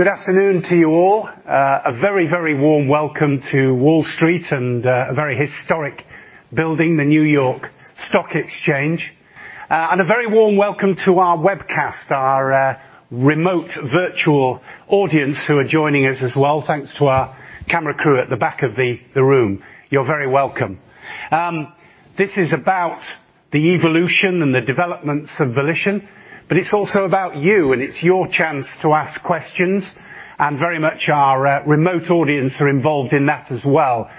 Good afternoon to you all. A very, very warm welcome to Wall Street and a very historic building, the New York Stock Exchange. A very warm welcome to our webcast, our remote virtual audience who are joining us as well. Thanks to our camera crew at the back of the room. You're very welcome. This is about the evolution and the developments of Volition, but it's also about you, and it's your chance to ask questions, and very much our remote audience are involved in that as well.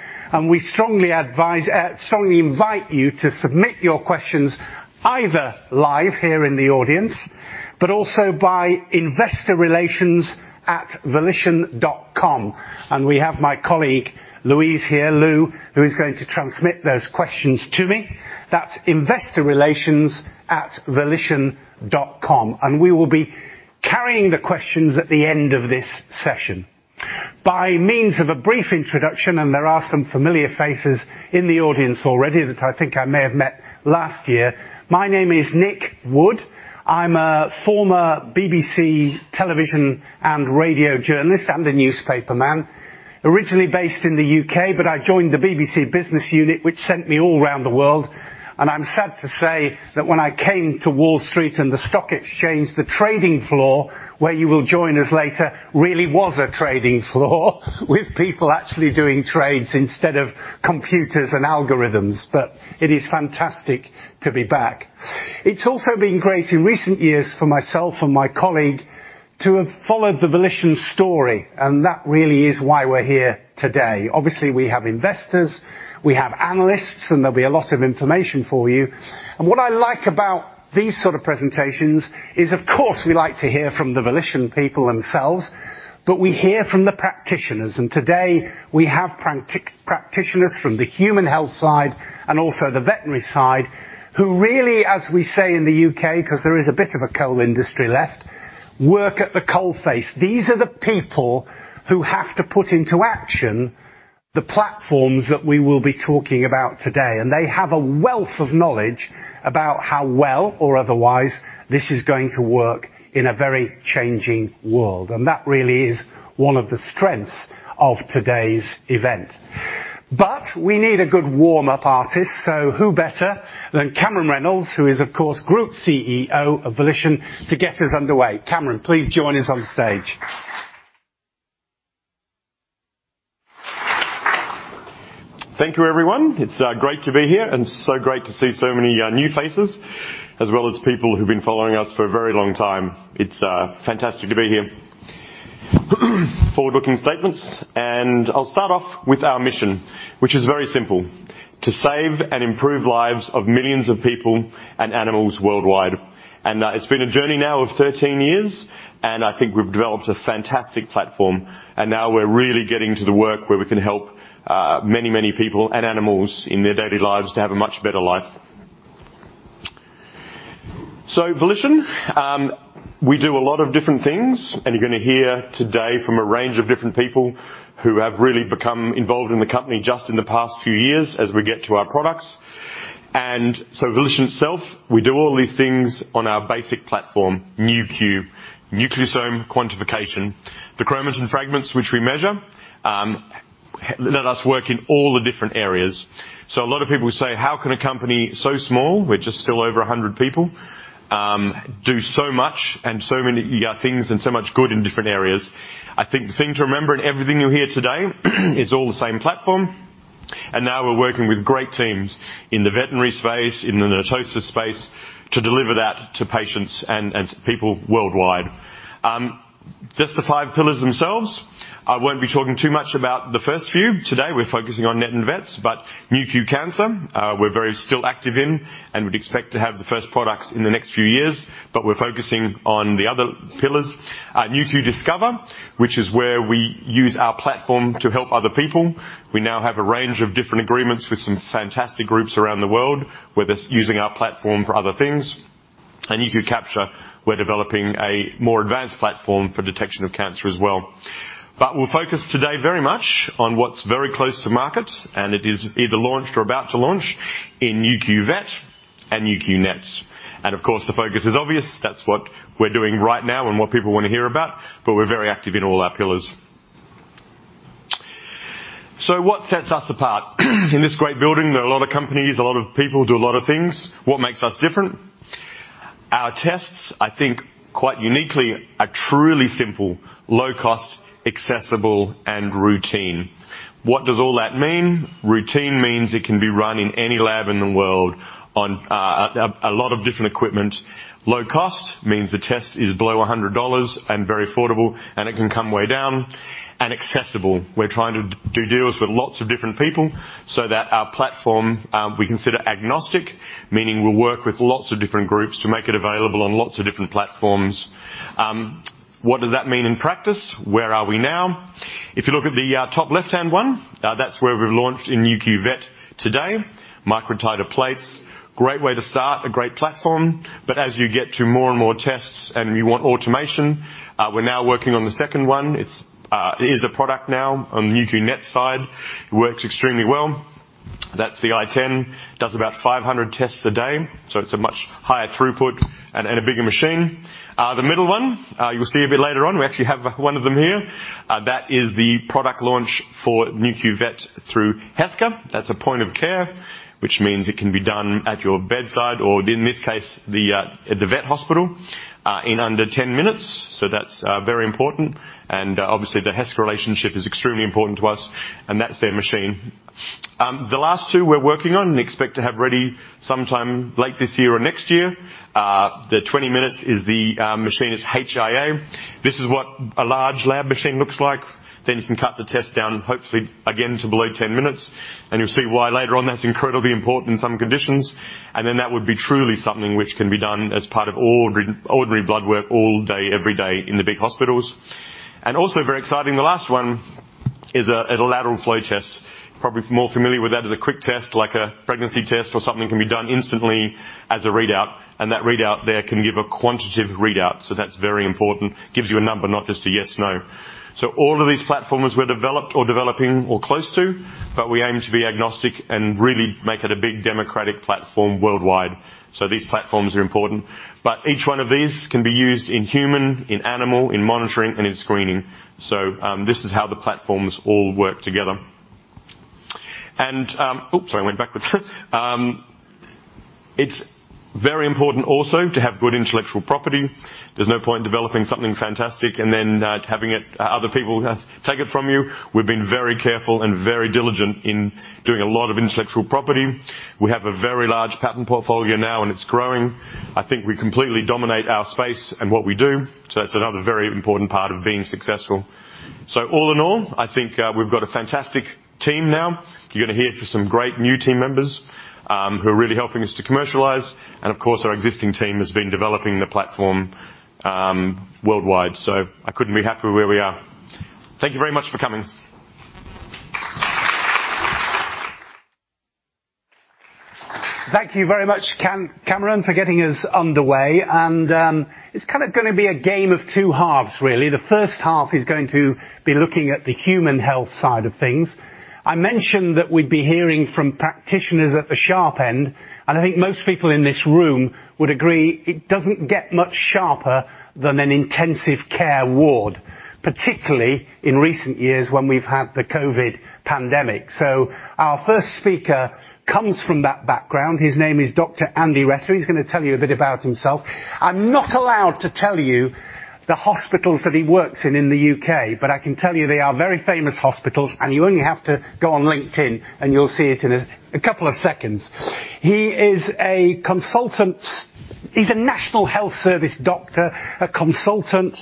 We strongly invite you to submit your questions either live here in the audience, but also by investorrelations@volition.com. We have my colleague Louise here, Lou, who is going to transmit those questions to me. That's investorrelations@volition.com. We will be carrying the questions at the end of this session. By means of a brief introduction, there are some familiar faces in the audience already that I think I may have met last year. My name is Nick Wood. I'm a former BBC television and radio journalist and a newspaperman, originally based in the UK, but I joined the BBC business unit, which sent me all around the world. I'm sad to say that when I came to Wall Street and the stock exchange, the trading floor, where you will join us later, really was a trading floor with people actually doing trades instead of computers and algorithms. It is fantastic to be back. It's also been great in recent years for myself and my colleague to have followed the Volition story, and that really is why we're here today. Obviously, we have investors, we have analysts, and there'll be a lot of information for you. What I like about these sort of presentations is, of course, we like to hear from the Volition people themselves, but we hear from the practitioners. Today, we have practitioners from the human health side and also the veterinary side who really, as we say in the U.K., 'cause there is a bit of a coal industry left, work at the coal face. These are the people who have to put into action the platforms that we will be talking about today. They have a wealth of knowledge about how well or otherwise this is going to work in a very changing world. That really is one of the strengths of today's event. We need a good warm-up artist, so who better than Cameron Reynolds, who is, of course, Group CEO of Volition, to get us underway. Cameron, please join us on stage. Thank you, everyone. It's great to be here and so great to see so many new faces, as well as people who've been following us for a very long time. It's fantastic to be here. Forward-looking statements. I'll start off with our mission, which is very simple, to save and improve lives of millions of people and animals worldwide. It's been a journey now of 13 years, and I think we've developed a fantastic platform. Now we're really getting to the work where we can help many, many people and animals in their daily lives to have a much better life. Volition, we do a lot of different things, and you're gonna hear today from a range of different people who have really become involved in the company just in the past few years as we get to our products. Volition itself, we do all these things on our basic platform, Nu.Q, nucleosome quantification. The chromatin fragments which we measure, let us work in all the different areas. A lot of people say, "How can a company so small," we're just still over 100 people, "do so much and so many things and so much good in different areas?" I think the thing to remember in everything you hear today is all the same platform. We're working with great teams in the veterinary space, in the NETosis space, to deliver that to patients and people worldwide. Just the 5 pillars themselves. I won't be talking too much about the first few. Today, we're focusing on NET and Vets. Nu.Q Cancer, we're very still active in and would expect to have the first products in the next few years. We're focusing on the other pillars. Nu.Q Discover, which is where we use our platform to help other people. We now have a range of different agreements with some fantastic groups around the world, where they're using our platform for other things. Nu.Q Capture, we're developing a more advanced platform for detection of cancer as well. We'll focus today very much on what's very close to market, and it is either launched or about to launch in Nu.Q Vet and Nu.Q NETs. Of course, the focus is obvious. That's what we're doing right now and what people wanna hear about. We're very active in all our pillars. What sets us apart? In this great building, there are a lot of companies, a lot of people do a lot of things. What makes us different? Our tests, I think, quite uniquely, are truly simple, low cost, accessible and routine. What does all that mean? Routine means it can be run in any lab in the world on a lot of different equipment. Low cost means the test is below $100 and very affordable, and it can come way down. Accessible. We're trying to do deals with lots of different people so that our platform, we consider agnostic, meaning we work with lots of different groups to make it available on lots of different platforms. What does that mean in practice? Where are we now? If you look at the top left-hand one, that's where we've launched in Nu.Q Vet today. Microtiter plates, great way to start, a great platform. As you get to more and more tests and we want automation, we're now working on the second one. It's, it is a product now on the Nu.Q NETs side. It works extremely well. That's the i10, does about 500 tests a day, so it's a much higher throughput and a bigger machine. The middle one, you'll see a bit later on, we actually have one of them here. That is the product launch for Nu.Q Vet through Heska. That's a point of care, which means it can be done at your bedside or in this case, the vet hospital, in under 10 minutes. That's very important. Obviously, the Heska relationship is extremely important to us, and that's their machine. The last two we're working on and expect to have ready sometime late this year or next year. The 20 minutes is the machine, is HIA. This is what a large lab machine looks like. You can cut the test down, hopefully, again, to below 10 minutes, and you'll see why later on that's incredibly important in some conditions. That would be truly something which can be done as part of ordinary blood work all day, every day in the big hospitals. Also very exciting, the last 1 is a lateral flow test. Probably more familiar with that as a quick test, like a pregnancy test or something can be done instantly as a readout, and that readout there can give a quantitative readout. That's very important. Gives you a number, not just a yes, no. All of these platforms were developed or developing or close to, but we aim to be agnostic and really make it a big democratic platform worldwide. These platforms are important, but each one of these can be used in human, in animal, in monitoring, and in screening. This is how the platforms all work together. Oops, sorry, I went backwards. It's very important also to have good intellectual property. There's no point developing something fantastic and then having it other people has take it from you. We've been very careful and very diligent in doing a lot of intellectual property. We have a very large patent portfolio now, and it's growing. I think we completely dominate our space and what we do. That's another very important part of being successful. All in all, I think, we've got a fantastic team now. You're gonna hear from some great new team members, who are really helping us to commercialize, and of course, our existing team has been developing the platform, worldwide. I couldn't be happier where we are. Thank you very much for coming. Thank you very much, Cameron, for getting us underway. It's kind of going to be a game of two halves, really. The first half is going to be looking at the human health side of things. I mentioned that we'd be hearing from practitioners at the sharp end. I think most people in this room would agree it doesn't get much sharper than an intensive care ward, particularly in recent years when we've had the COVID pandemic. Our first speaker comes from that background. His name is Dr. Andy Retter. He's going to tell you a bit about himself. I'm not allowed to tell you the hospitals that he works in in the U.K., but I can tell you they are very famous hospitals. You only have to go on LinkedIn, and you'll see it in a couple of seconds. He is a consultant. He's a National Health Service doctor, a consultant.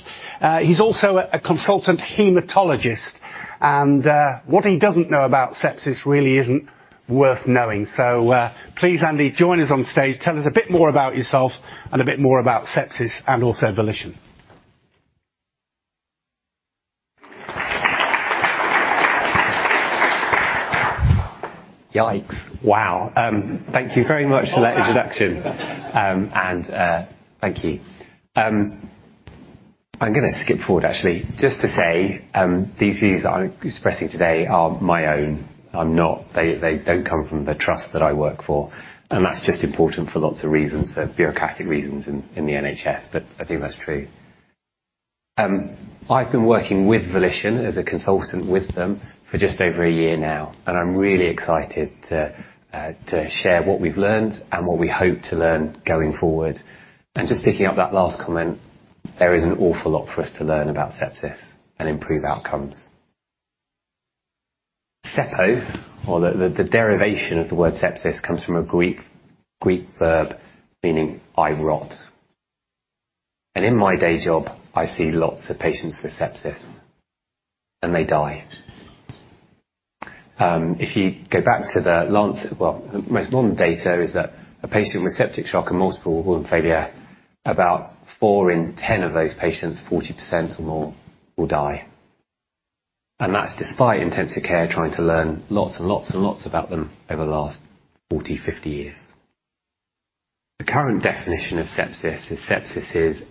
He's also a consultant hematologist. What he doesn't know about sepsis really isn't worth knowing. Please, Andy, join us on stage. Tell us a bit more about yourself and a bit more about sepsis and also Volition. Yikes. Wow. Thank you very much for that introduction. Thank you. I'm gonna skip forward, actually, just to say, these views that I'm expressing today are my own. They don't come from the trust that I work for, and that's just important for lots of reasons, for bureaucratic reasons in the NHS, but I think that's true. I've been working with Volition as a consultant with them for just over a year now, and I'm really excited to share what we've learned and what we hope to learn going forward. Just picking up that last comment, there is an awful lot for us to learn about sepsis and improve outcomes. Seppo or the derivation of the word sepsis comes from a Greek verb meaning by rot. In my day job, I see lots of patients with sepsis, and they die. If you go back to The Lancet, well, the most modern data is that a patient with septic shock and multiple organ failure, about 4 in 10 of those patients, 40% or more will die. That's despite intensive care, trying to learn lots and lots and lots about them over the last 40, 50 years. The current definition of sepsis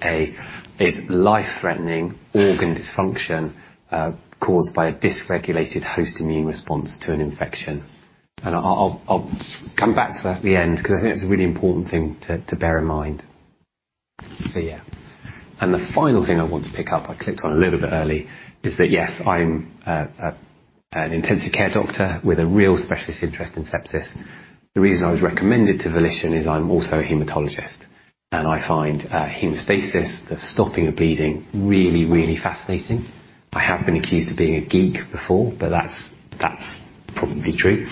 is life-threatening organ dysfunction caused by a dysregulated host immune response to an infection. I'll come back to that at the end because I think it's a really important thing to bear in mind. Yeah. The final thing I want to pick up, I clicked on a little bit early, is that, yes, I'm an intensive care doctor with a real specialist interest in sepsis. The reason I was recommended to Volition is I'm also a hematologist, and I find hemostasis, the stopping of bleeding, really, really fascinating. I have been accused of being a geek before, but that's probably true.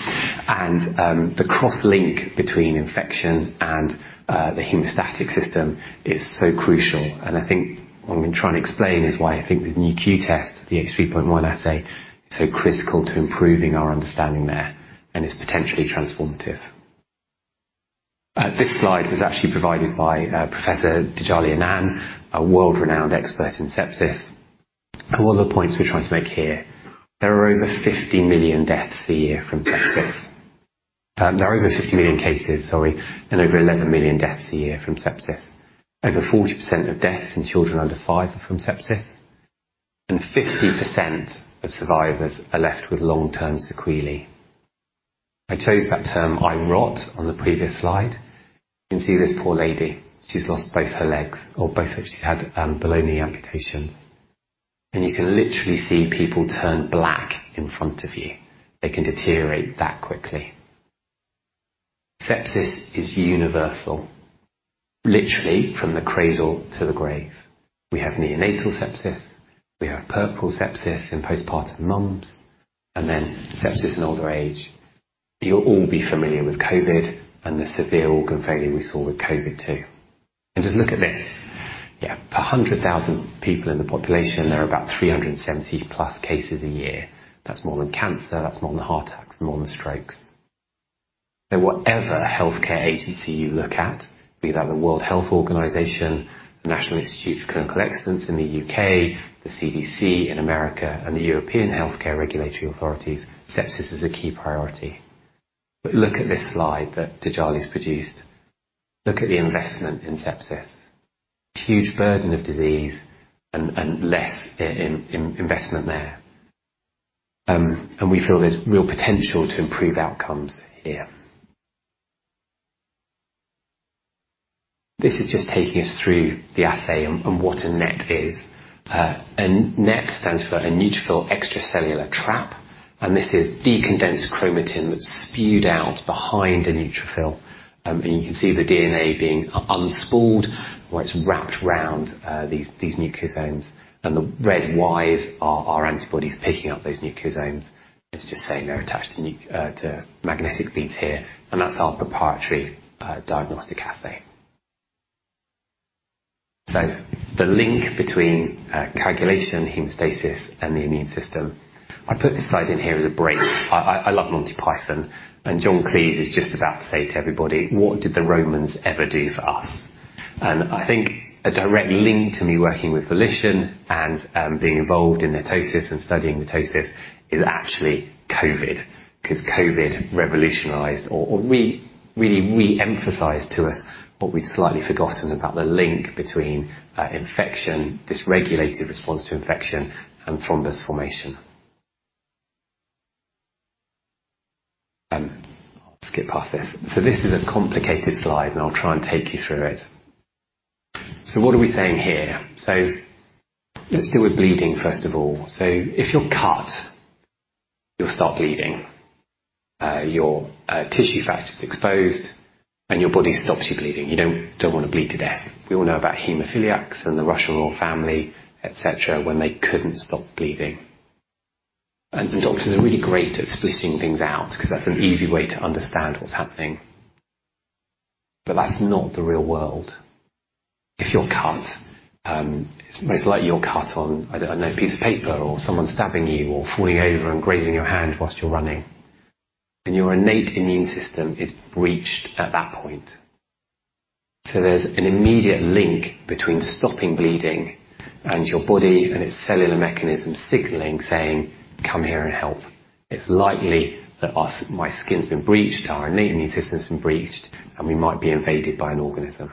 The cross-link between infection and the hemostatic system is so crucial, and I think what I've been trying to explain is why I think the Nu.Q test, the Nu.Q H3.1 assay, is so critical to improving our understanding there and is potentially transformative. This slide was actually provided by Professor Dajania Nan, a world-renowned expert in sepsis, and one of the points we're trying to make here. There are over 50 million deaths a year from sepsis. There are over 50 million cases, sorry, and over 11 million deaths a year from sepsis. 40% of deaths in children under five are from sepsis. Fifty percent of survivors are left with long-term sequelae. I chose that term "I rot" on the previous slide. You can see this poor lady. She's lost both her legs. She's had below-knee amputations. You can literally see people turn black in front of you. They can deteriorate that quickly. Sepsis is universal, literally from the cradle to the grave. We have neonatal sepsis, we have purple sepsis in postpartum mums, and then sepsis in older age. You'll all be familiar with COVID and the severe organ failure we saw with COVID too. Just look at this. Yeah, per 100,000 people in the population, there are about 370+ cases a year. That's more than cancer, that's more than heart attacks, more than strokes. Whatever healthcare agency you look at, be that the World Health Organization, the National Institute for Health and Care Excellence in the UK, the CDC in America, and the European Healthcare Regulatory Authorities, sepsis is a key priority. Look at this slide that Dajali's produced. Look at the investment in sepsis. Huge burden of disease and less in investment there. We feel there's real potential to improve outcomes here. This is just taking us through the assay and what a NET is. A NET stands for a neutrophil extracellular trap, and this is decondensed chromatin that's spewed out behind a neutrophil, and you can see the DNA being unspooled where it's wrapped around, these nucleosomes. The red Ys are our antibodies picking up those nucleosomes. It's just saying they're attached to magnetic beads here, and that's our proprietary, diagnostic assay. The link between, coagulation, hemostasis, and the immune system. I put this slide in here as a break. I love Monty Python, John Cleese is just about to say to everybody, "What did the Romans ever do for us?" I think a direct link to me working with Volition, being involved in NETosis and studying NETosis is actually COVID, 'cause COVID revolutionized or really re-emphasized to us what we'd slightly forgotten about the link between infection, dysregulated response to infection, and thrombus formation. I'll skip past this. This is a complicated slide, and I'll try and take you through it. What are we saying here? Let's deal with bleeding first of all. If you're cut, you'll start bleeding. Your tissue factor is exposed, and your body stops you bleeding. You don't wanna bleed to death. We all know about hemophiliacs and the Russian royal family, et cetera, when they couldn't stop bleeding. Doctors are really great at splitting things out 'cause that's an easy way to understand what's happening. That's not the real world. If you're cut, it's most likely you're cut on, I don't know, a piece of paper or someone stabbing you or falling over and grazing your hand while you're running, and your innate immune system is breached at that point. There's an immediate link between stopping bleeding and your body and its cellular mechanism signaling saying, "Come here and help." It's likely that my skin's been breached, our innate immune system's been breached, and we might be invaded by an organism.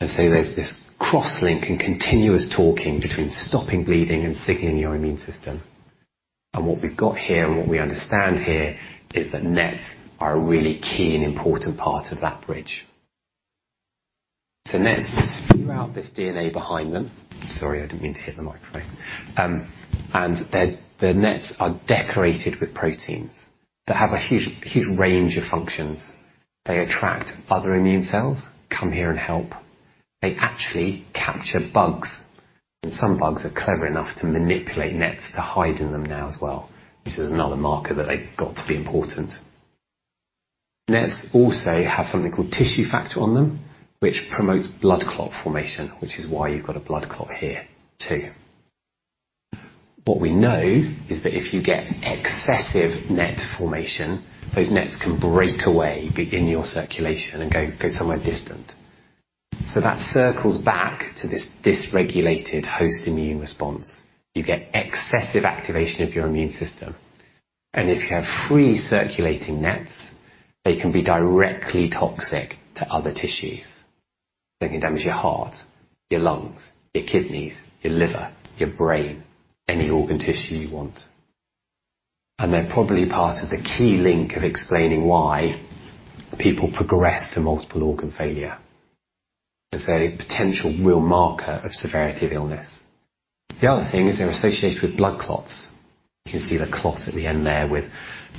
There's this cross-link and continuous talking between stopping bleeding and signaling your immune system. What we've got here and what we understand here is that NETs are a really key and important part of that bridge. NETs spew out this DNA behind them. Sorry, I didn't mean to hit the microphone. The NETs are decorated with proteins that have a huge, huge range of functions. They attract other immune cells, "Come here and help." They actually capture bugs, and some bugs are clever enough to manipulate NETs to hide in them now as well, which is another marker that they've got to be important. NETs also have something called tissue factor on them, which promotes blood clot formation, which is why you've got a blood clot here too. What we know is that if you get excessive NET formation, those NETs can break away in your circulation and go somewhere distant. That circles back to this dysregulated host immune response. You get excessive activation of your immune system, and if you have free circulating NETs, they can be directly toxic to other tissues. They can damage your heart, your lungs, your kidneys, your liver, your brain, any organ tissue you want. They're probably part of the key link of explaining why people progress to multiple organ failure. It's a potential real marker of severity of illness. The other thing is they're associated with blood clots. You can see the clot at the end there with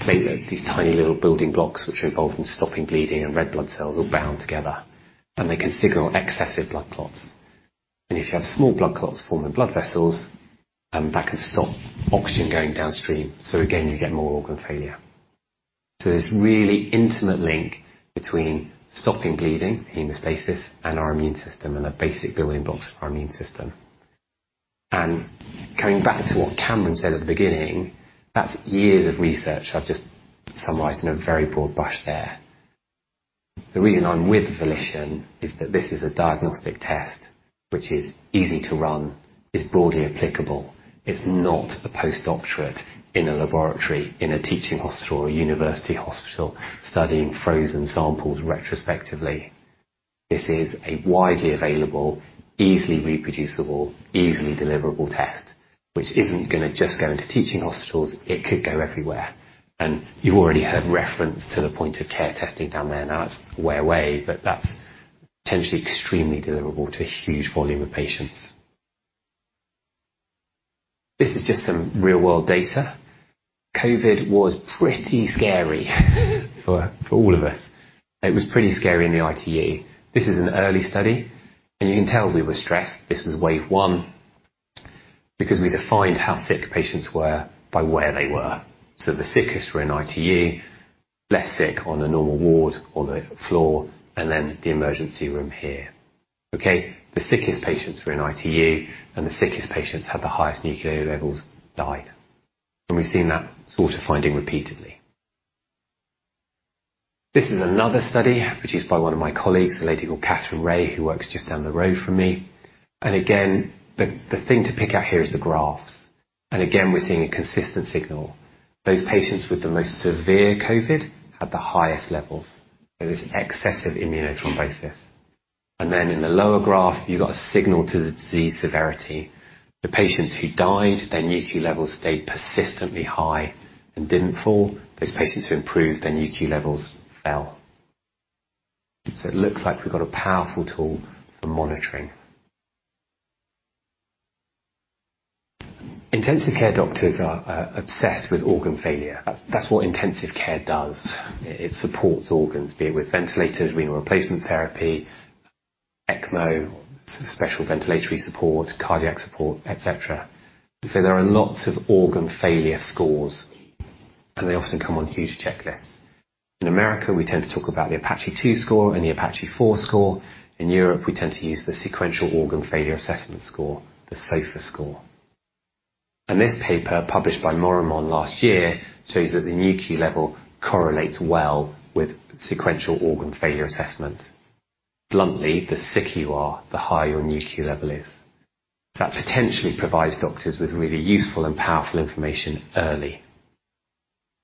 platelets, these tiny little building blocks which are involved in stopping bleeding and red blood cells all bound together, and they can signal excessive blood clots. If you have small blood clots forming blood vessels, that can stop oxygen going downstream, so again, you get more organ failure. There's really intimate link between stopping bleeding, hemostasis, and our immune system, and the basic building blocks of our immune system. Coming back to what Cameron said at the beginning, that's years of research I've just summarized in a very broad brush there. The reason I'm with Volition is that this is a diagnostic test which is easy to run. It's broadly applicable. It's not a post-doctorate in a laboratory, in a teaching hospital or a university hospital studying frozen samples retrospectively. This is a widely available, easily reproducible, easily deliverable test which isn't gonna just go into teaching hospitals. It could go everywhere. You've already heard reference to the point of care testing down there. It's way away, but that's potentially extremely deliverable to a huge volume of patients. This is just some real-world data. COVID was pretty scary for all of us. It was pretty scary in the ITU. This is an early study, and you can tell we were stressed. This is wave one. We defined how sick patients were by where they were, so the sickest were in ITU, less sick on a normal ward or the floor, and then the emergency room here. Okay. The sickest patients were in ITU, and the sickest patients had the highest nuclear levels, died. We've seen that sort of finding repeatedly. This is another study produced by one of my colleagues, a lady called Katrien Reyskens, who works just down the road from me. Again, the thing to pick out here is the graphs. Again, we're seeing a consistent signal. Those patients with the most severe COVID had the highest levels. There was excessive immunothrombosis. In the lower graph, you got a signal to the disease severity. The patients who died, their Nu.Q levels stayed persistently high and didn't fall. Those patients who improved, their Nu.Q levels fell. It looks like we've got a powerful tool for monitoring. Intensive care doctors are obsessed with organ failure. That's what intensive care does. It supports organs, be it with ventilators, be it replacement therapy, ECMO, special ventilatory support, cardiac support, et cetera. There are lots of organ failure scores, and they often come on huge checklists. In America, we tend to talk about the APACHE II score and the APACHE IV score. In Europe, we tend to use the Sequential Organ Failure Assessment score, the SOFA score. This paper, published by Morimar last year, shows that the Nu.Q level correlates well with Sequential Organ Failure Assessment. Bluntly, the sick you are, the higher your Nu.Q level is. That potentially provides doctors with really useful and powerful information early.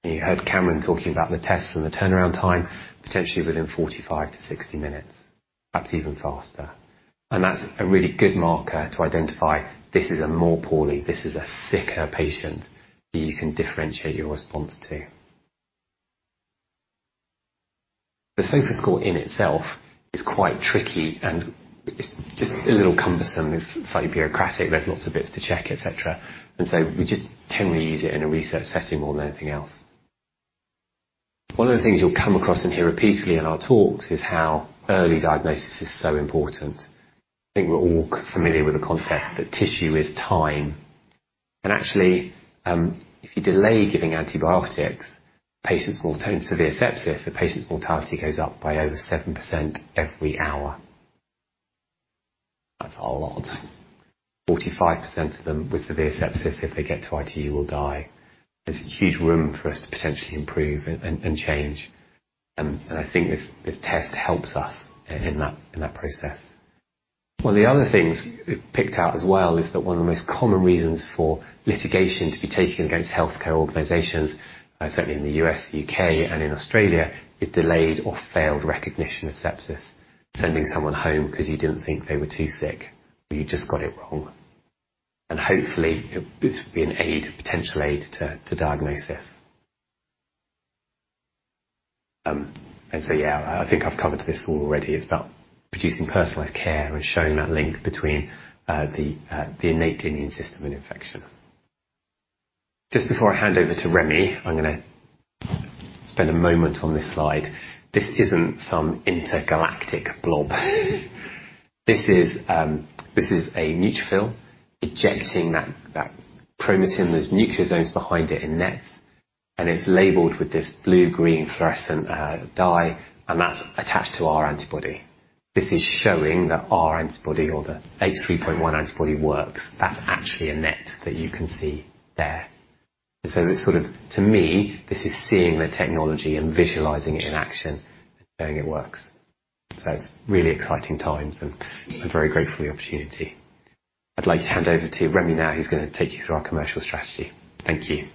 You heard Cameron talking about the tests and the turnaround time, potentially within 45-60 minutes, perhaps even faster. That's a really good marker to identify this is a more poorly, this is a sicker patient you can differentiate your response to. The SOFA score in itself is quite tricky and it's just a little cumbersome. It's slightly bureaucratic. There's lots of bits to check, et cetera, we just tend to use it in a research setting more than anything else. One of the things you'll come across and hear repeatedly in our talks is how early diagnosis is so important. I think we're all familiar with the concept that tissue is time. Actually, if you delay giving antibiotics, patients will turn severe sepsis. The patient's mortality goes up by over 7% every hour. That's a lot. 45% of them with severe sepsis, if they get to ITU will die. There's huge room for us to potentially improve and change, and I think this test helps us in that process. One of the other things we've picked out as well is that one of the most common reasons for litigation to be taken against healthcare organizations, certainly in the U.S., U.K., and in Australia, is delayed or failed recognition of sepsis. Sending someone home 'cause you didn't think they were too sick or you just got it wrong. Hopefully this will be an aid, potential aid to diagnosis. Yeah, I think I've covered this all already. It's about producing personalized care and showing that link between the innate immune system and infection. Just before I hand over to Remi, I'm gonna spend a moment on this slide. This isn't some intergalactic blob. This is a neutrophil ejecting that chromatin. There's nucleosomes behind it in NETs. It's labeled with this blue-green fluorescent dye, and that's attached to our antibody. This is showing that our antibody or the H3.1 antibody works. That's actually a NET that you can see there. To me, this is seeing the technology and visualizing it in action, knowing it works. It's really exciting times, and I'm very grateful for the opportunity. I'd like to hand over to Remi now, who's gonna take you through our commercial strategy. Thank you.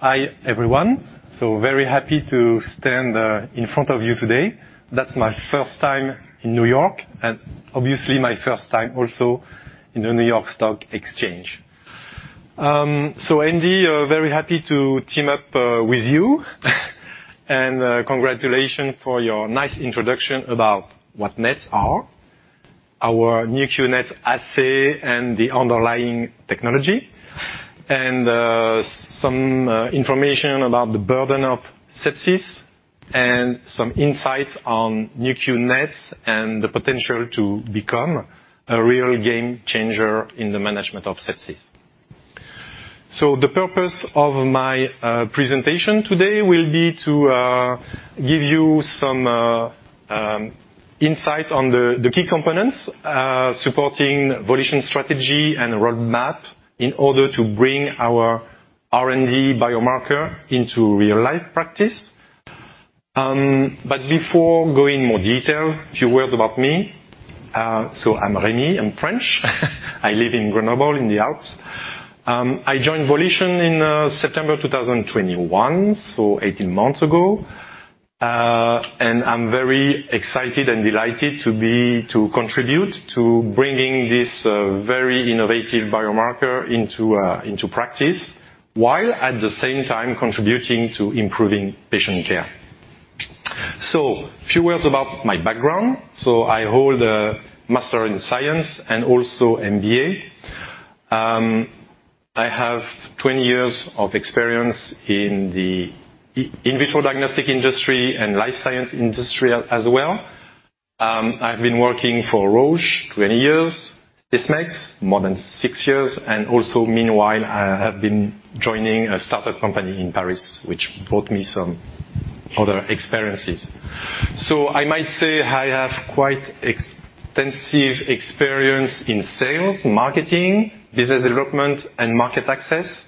Hi, everyone. Very happy to stand in front of you today. That's my first time in New York and obviously my first time also in the New York Stock Exchange. Andy, very happy to team up with you. Congratulations for your nice introduction about what NETs are, our Nu.Q NETs assay and the underlying technology, and some information about the burden of sepsis and some insights on Nu.Q NETs and the potential to become a real game changer in the management of sepsis. The purpose of my presentation today will be to give you some insights on the key components supporting Volition strategy and roadmap in order to bring. R&D biomarker into real-life practice. Before going more detail, a few words about me. I'm Remi, I'm French. I live in Grenoble in the Alps. I joined Volition in September 2021, so 18 months ago, I'm very excited and delighted to contribute to bringing this very innovative biomarker into practice, while at the same time contributing to improving patient care. Few words about my background. I hold a master in science and also MBA. I have 20 years of experience in the in vitro diagnostic industry and life science industry as well. I've been working for Roche 20 years, Dismax more than six years, meanwhile, I have been joining a startup company in Paris, which brought me some other experiences. I might say I have quite extensive experience in sales, marketing, business development, and market access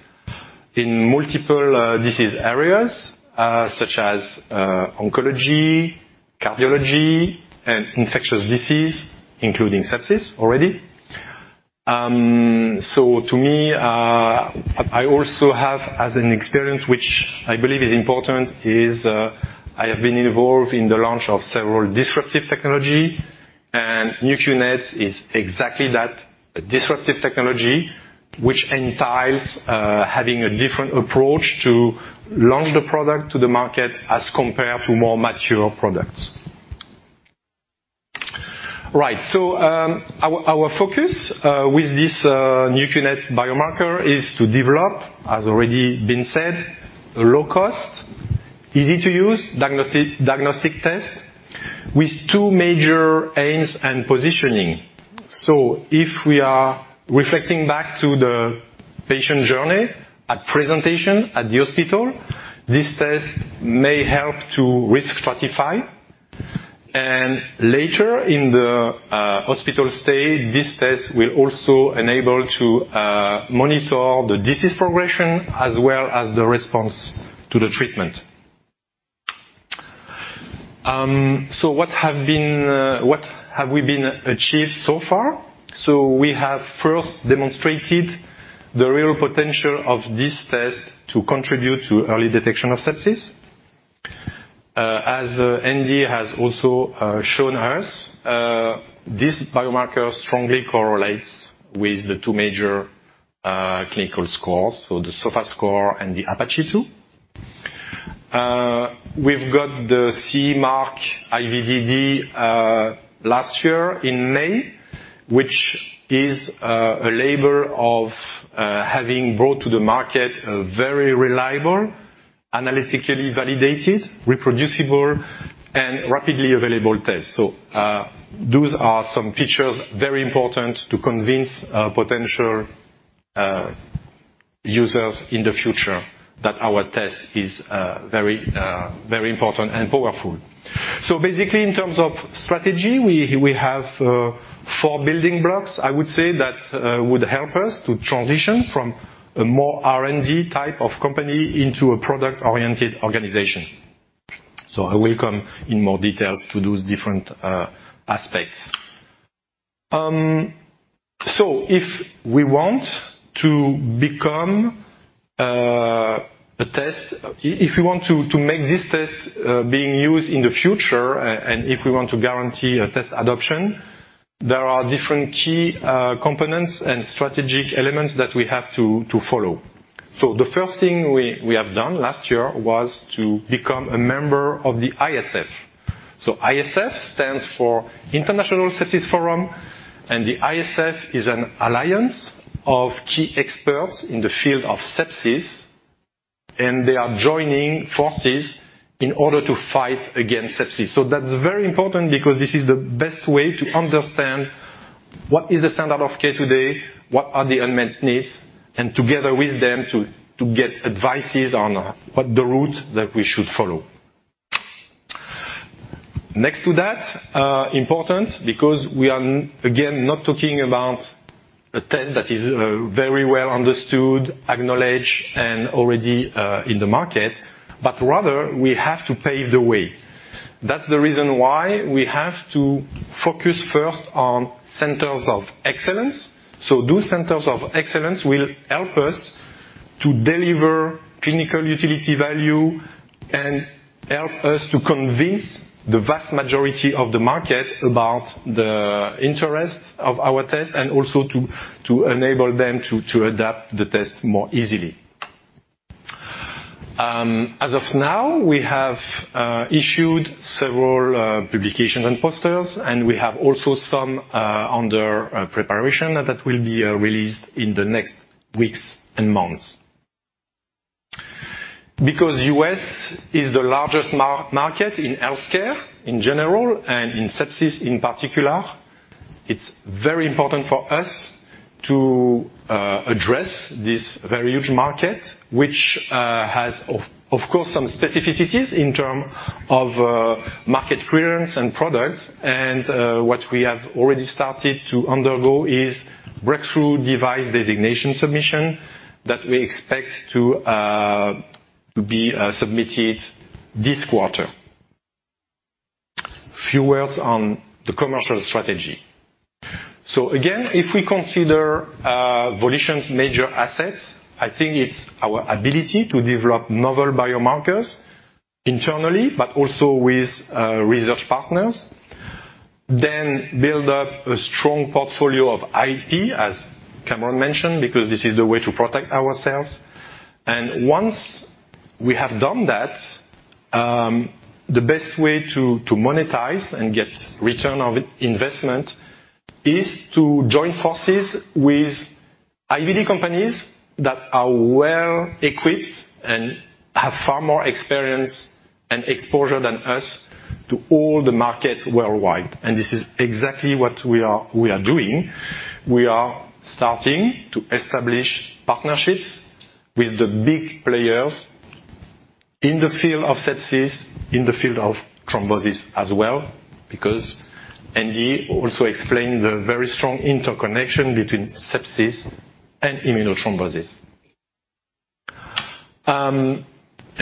in multiple disease areas, such as oncology, cardiology, and infectious disease, including sepsis already. To me, I also have as an experience, which I believe is important, is I have been involved in the launch of several disruptive technology and Nu.Q NETs is exactly that, a disruptive technology which entails having a different approach to launch the product to the market as compared to more mature products. Right. Our focus with this Nu.Q NETs biomarker is to develop, as already been said, low cost, easy to use diagnostic test with 2 major aims and positioning. If we are reflecting back to the patient journey at presentation at the hospital, this test may help to risk stratify. Later in the hospital stay, this test will also enable to monitor the disease progression as well as the response to the treatment. What have we been achieved so far? We have first demonstrated the real potential of this test to contribute to early detection of sepsis. As Andy has also shown us, this biomarker strongly correlates with the two major clinical scores, so the SOFA score and the APACHE II. We've got the CE mark IVDD last year in May, which is a label of having brought to the market a very reliable, analytically validated, reproducible, and rapidly available test. Those are some features very important to convince potential users in the future that our test is very very important and powerful. Basically in terms of strategy, we have four building blocks, I would say that would help us to transition from a more R&D type of company into a product-oriented organization. I will come in more details to those different aspects. If we want to become a test, if we want to make this test being used in the future, and if we want to guarantee a test adoption, there are different key components and strategic elements that we have to follow. The first thing we have done last year was to become a member of the ISF. ISF stands for International Sepsis Forum, and the ISF is an alliance of key experts in the field of sepsis, and they are joining forces in order to fight against sepsis. That's very important because this is the best way to understand what is the standard of care today, what are the unmet needs, and together with them, to get advices on what the route that we should follow. Next to that, important because we are again not talking about a test that is very well understood, acknowledged, and already in the market, but rather we have to pave the way. That's the reason why we have to focus first on centers of excellence. Those centers of excellence will help us to deliver clinical utility value and help us to convince the vast majority of the market about the interest of our test and also to enable them to adapt the test more easily. As of now, we have issued several publications and posters, and we have also some under preparation that will be released in the next weeks and months. U.S. is the largest market in healthcare in general, and in sepsis in particular, it's very important for us to address this very huge market, which has of course some specificities in term of market clearance and products. What we have already started to undergo is Breakthrough Device Designation submission that we expect to be submitted this quarter. Few words on the commercial strategy. Again, if we consider Volition's major assets, I think it's our ability to develop novel biomarkers internally, but also with research partners. Build up a strong portfolio of IP, as Cameron mentioned, because this is the way to protect ourselves. Once we have done that, the best way to monetize and get return of investment is to join forces with IVD companies that are well-equipped and have far more experience and exposure than us to all the markets worldwide. This is exactly what we are doing. We are starting to establish partnerships with the big players in the field of sepsis, in the field of thrombosis as well, because Andy also explained the very strong interconnection between sepsis and immunothrombosis.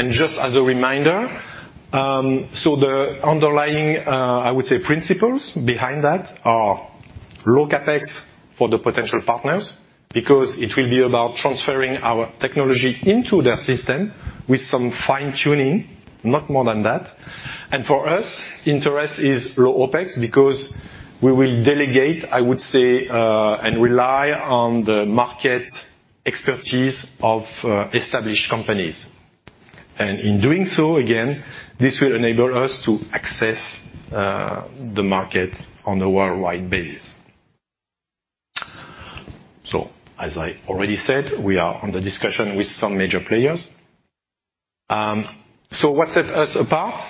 Just as a reminder, so the underlying, I would say principles behind that are low CapEx for the potential partners because it will be about transferring our technology into their system with some fine-tuning, not more than that. For us, interest is low OpEx because we will delegate, I would say, and rely on the market expertise of established companies. In doing so, again, this will enable us to access the market on a worldwide basis. As I already said, we are under discussion with some major players. What sets us apart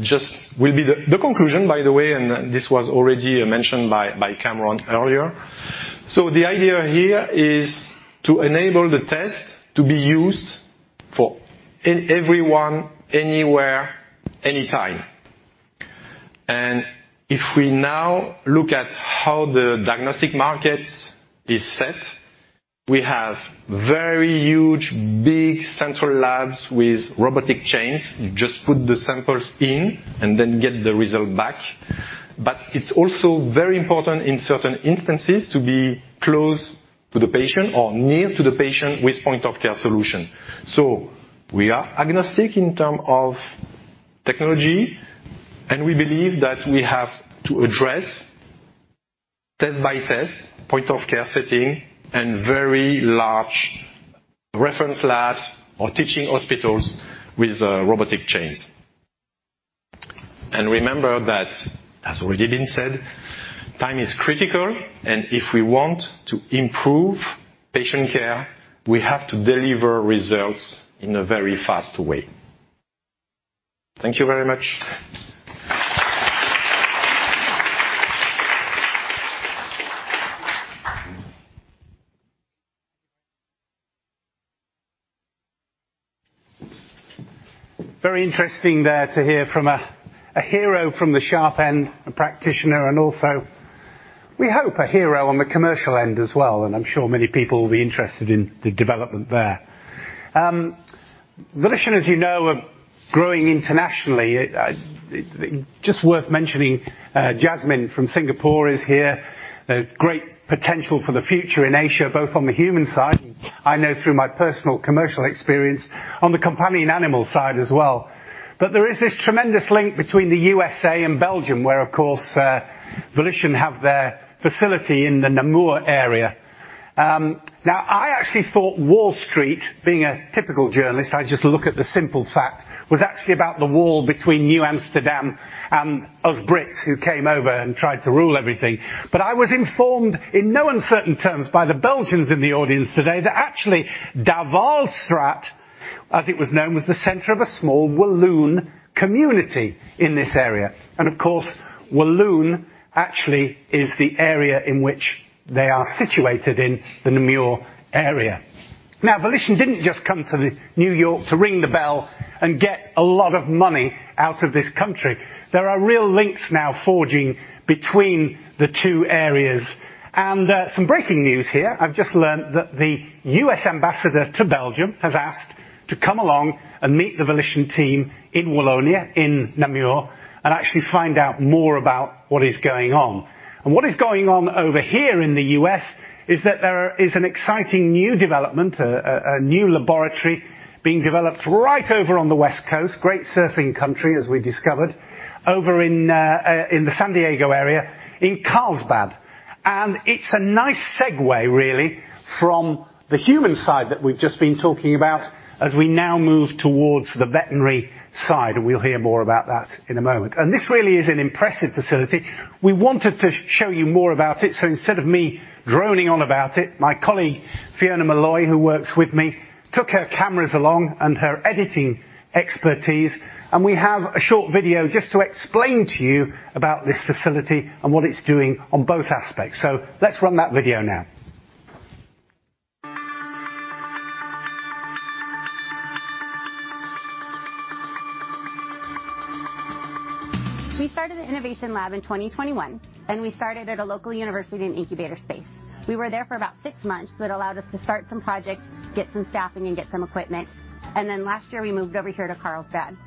just will be the conclusion, by the way, and this was already mentioned by Cameron earlier. The idea here is to enable the test to be used for everyone, anywhere, anytime. If we now look at how the diagnostic market is set, we have very huge, big central labs with robotic chains. You just put the samples in and then get the result back. It's also very important in certain instances to be close to the patient or near to the patient with point of care solution. We are agnostic in terms of technology, and we believe that we have to address test-by-test point of care setting and very large reference labs or teaching hospitals with robotic chains. Remember that, as already been said, time is critical, and if we want to improve patient care, we have to deliver results in a very fast way. Thank you very much. Very interesting there to hear from a hero from the sharp end, a practitioner, and also we hope a hero on the commercial end as well, and I'm sure many people will be interested in the development there. Volition, as you know, are growing internationally. Just worth mentioning, Jasmine from Singapore is here. A great potential for the future in Asia, both on the human side, I know through my personal commercial experience, on the companion animal side as well. There is this tremendous link between the USA and Belgium, where, of course, Volition have their facility in the Namur area. Now, I actually thought Wall Street, being a typical journalist, I just look at the simple fact, was actually about the wall between New Amsterdam and us Brits who came over and tried to rule everything. I was informed in no uncertain terms by the Belgians in the audience today that actually Douanesstraat, as it was known, was the center of a small Walloon community in this area. Of course, Walloon actually is the area in which they are situated in, the Namur area. Now, Volition didn't just come to the New York to ring the bell and get a lot of money out of this country. There are real links now forging between the two areas. Some breaking news here, I've just learned that the U.S. ambassador to Belgium has asked to come along and meet the Volition team in Wallonia, in Namur, and actually find out more about what is going on. What is going on over here in the U.S. is that there is an exciting new development, a new laboratory being developed right over on the West Coast, great surfing country, as we discovered, over in the San Diego area in Carlsbad. It's a nice segue, really, from the human side that we've just been talking about as we now move towards the veterinary side, and we'll hear more about that in a moment. This really is an impressive facility. We wanted to show you more about it, so instead of me droning on about it, my colleague, Fiona Malloy, who works with me, took her cameras along and her editing expertise, and we have a short video just to explain to you about this facility and what it's doing on both aspects. Let's run that video now. We started the Innovation Lab in 2021. We started at a local university in an incubator space. We were there for about six months. It allowed us to start some projects, get some staffing, and get some equipment. Last year, we moved over here to Carlsbad.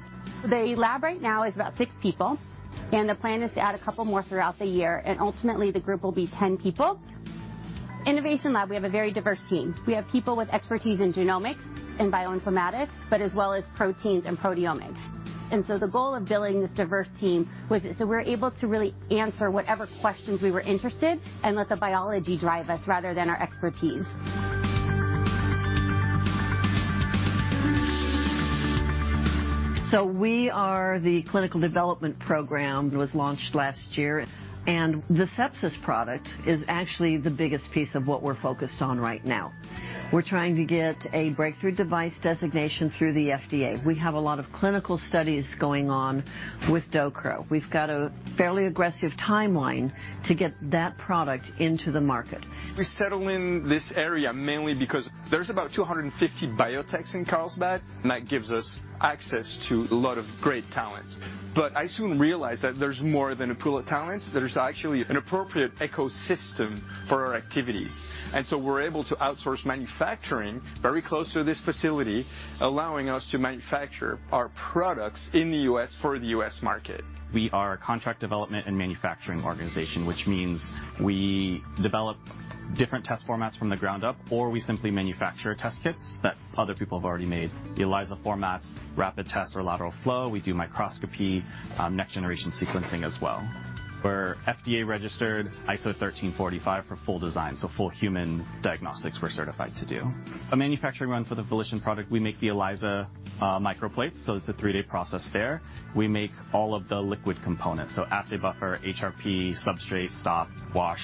The lab right now is about six people. The plan is to add a couple more throughout the year. Ultimately, the group will be 10 people. Innovation Lab, we have a very diverse team. We have people with expertise in genomics and bioinformatics, as well as proteins and proteomics. The goal of building this diverse team was so we're able to really answer whatever questions we were interested and let the biology drive us rather than our expertise. We are the clinical development program. It was launched last year, and the sepsis product is actually the biggest piece of what we're focused on right now. We're trying to get a Breakthrough Device Designation through the FDA. We have a lot of clinical studies going on with DXOCRO. We've got a fairly aggressive timeline to get that product into the market. We settle in this area mainly because there's about 250 biotechs in Carlsbad, and that gives us access to a lot of great talents. I soon realized that there's more than a pool of talents. There's actually an appropriate ecosystem for our activities. We're able to outsource manufacturing very close to this facility, allowing us to manufacture our products in the U.S. for the U.S. market. We are a contract development and manufacturing organization, which means we develop different test formats from the ground up, or we simply manufacture test kits that other people have already made. The ELISA formats, rapid tests or lateral flow. We do microscopy, next-generation sequencing as well. We're FDA-registered, ISO 13485 for full design, so full human diagnostics we're certified to do. A manufacturing run for the Volition product, we make the ELISA microplates, so it's a three-day process there. We make all of the liquid components, so assay buffer, HRP, substrate, stop, wash,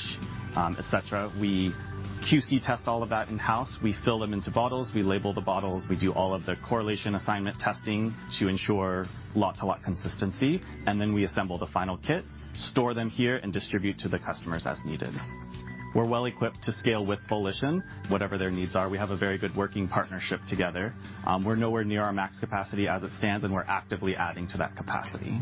et cetera. We QC test all of that in-house. We fill them into bottles, we label the bottles, we do all of the correlation assignment testing to ensure lot-to-lot consistency, and then we assemble the final kit, store them here, and distribute to the customers as needed. We're well-equipped to scale with Volition, whatever their needs are. We have a very good working partnership together. We're nowhere near our max capacity as it stands, and we're actively adding to that capacity.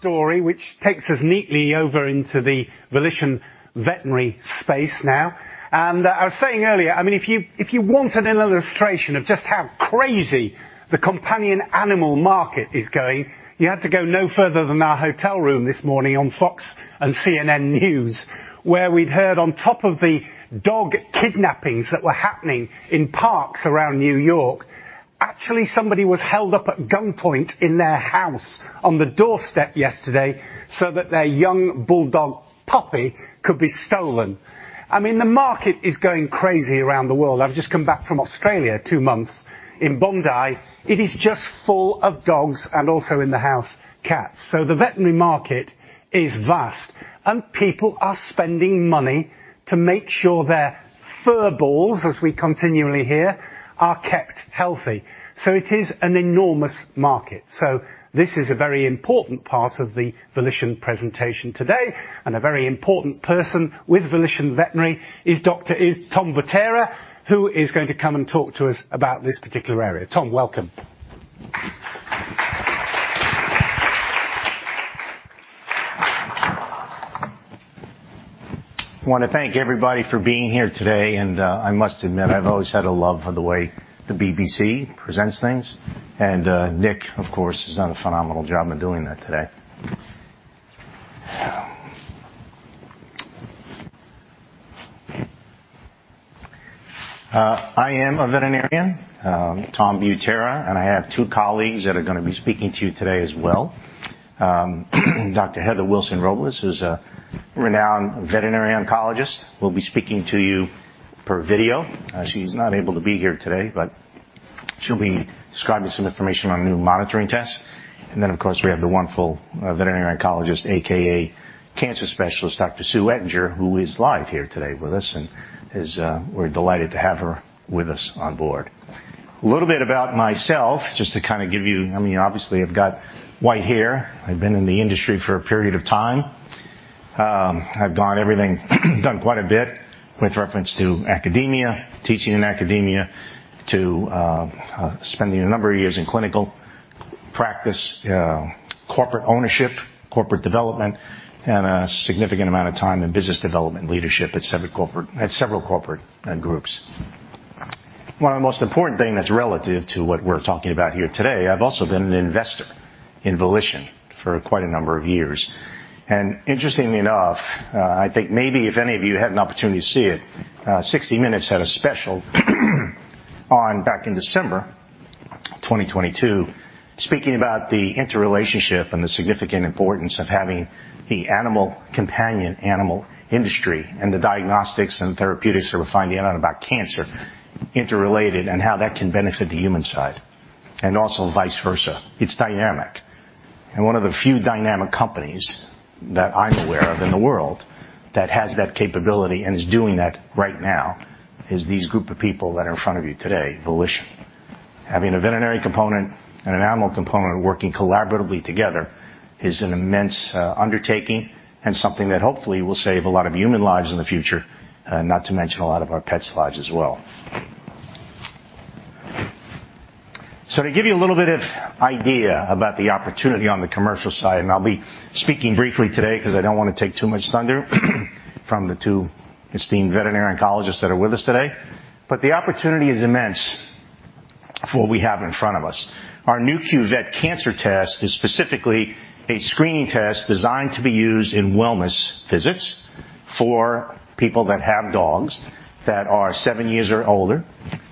Story, which takes us neatly over into the Volition Veterinary space now. I was saying earlier, I mean, if you wanted an illustration of just how crazy the companion animal market is going, you had to go no further than our hotel room this morning on Fox News and CNN, where we'd heard on top of the dog kidnappings that were happening in parks around New York, actually, somebody was held up at gunpoint in their house on the doorstep yesterday so that their young bulldog puppy could be stolen. I mean, the market is going crazy around the world. I've just come back from Australia two months in Bondi. It is just full of dogs and also in the house, cats. The veterinary market is vast, and people are spending money to make sure their fur balls, as we continually hear, are kept healthy. It is an enormous market. This is a very important part of the Volition presentation today, and a very important person with Volition Veterinary is Dr. Tom Butera, who is going to come and talk to us about this particular area. Tom, welcome. I wanna thank everybody for being here today. I must admit, I've always had a love for the way the BBC presents things. Nick, of course, has done a phenomenal job of doing that today. I am a veterinarian, Tom Butera, and I have two colleagues that are gonna be speaking to you today as well. Dr. Heather Wilson-Robles, who's a renowned veterinary oncologist, will be speaking to you per video. She's not able to be here today, but she'll be describing some information on new monitoring tests. Of course, we have the wonderful veterinary oncologist, AKA cancer specialist, Dr. Sue Ettinger, who is live here today with us, and we're delighted to have her with us on board. A little bit about myself, just to kinda give you. I mean, obviously, I've got white hair. I've been in the industry for a period of time. I've done everything, done quite a bit with reference to academia, teaching in academia to spending a number of years in clinical practice, corporate ownership, corporate development, and a significant amount of time in business development leadership at several corporate groups. One of the most important thing that's relative to what we're talking about here today, I've also been an investor in Volition for quite a number of years. Interestingly enough, I think maybe if any of you had an opportunity to see it, 60 Minutes had a special on back in December 2022, speaking about the interrelationship and the significant importance of having the animal, companion animal industry and the diagnostics and therapeutics that we're finding out about cancer interrelated and how that can benefit the human side and also vice versa. It's dynamic. One of the few dynamic companies that I'm aware of in the world that has that capability and is doing that right now is these group of people that are in front of you today, Volition. Having a veterinary component and an animal component working collaboratively together is an immense undertaking and something that hopefully will save a lot of human lives in the future, not to mention a lot of our pets' lives as well. To give you a little bit of idea about the opportunity on the commercial side, and I'll be speaking briefly today 'cause I don't wanna take too much thunder from the two esteemed veterinary oncologists that are with us today. The opportunity is immense for what we have in front of us. Our Nu.Q Vet Cancer Test is specifically a screening test designed to be used in wellness visits for people that have dogs that are seven years or older,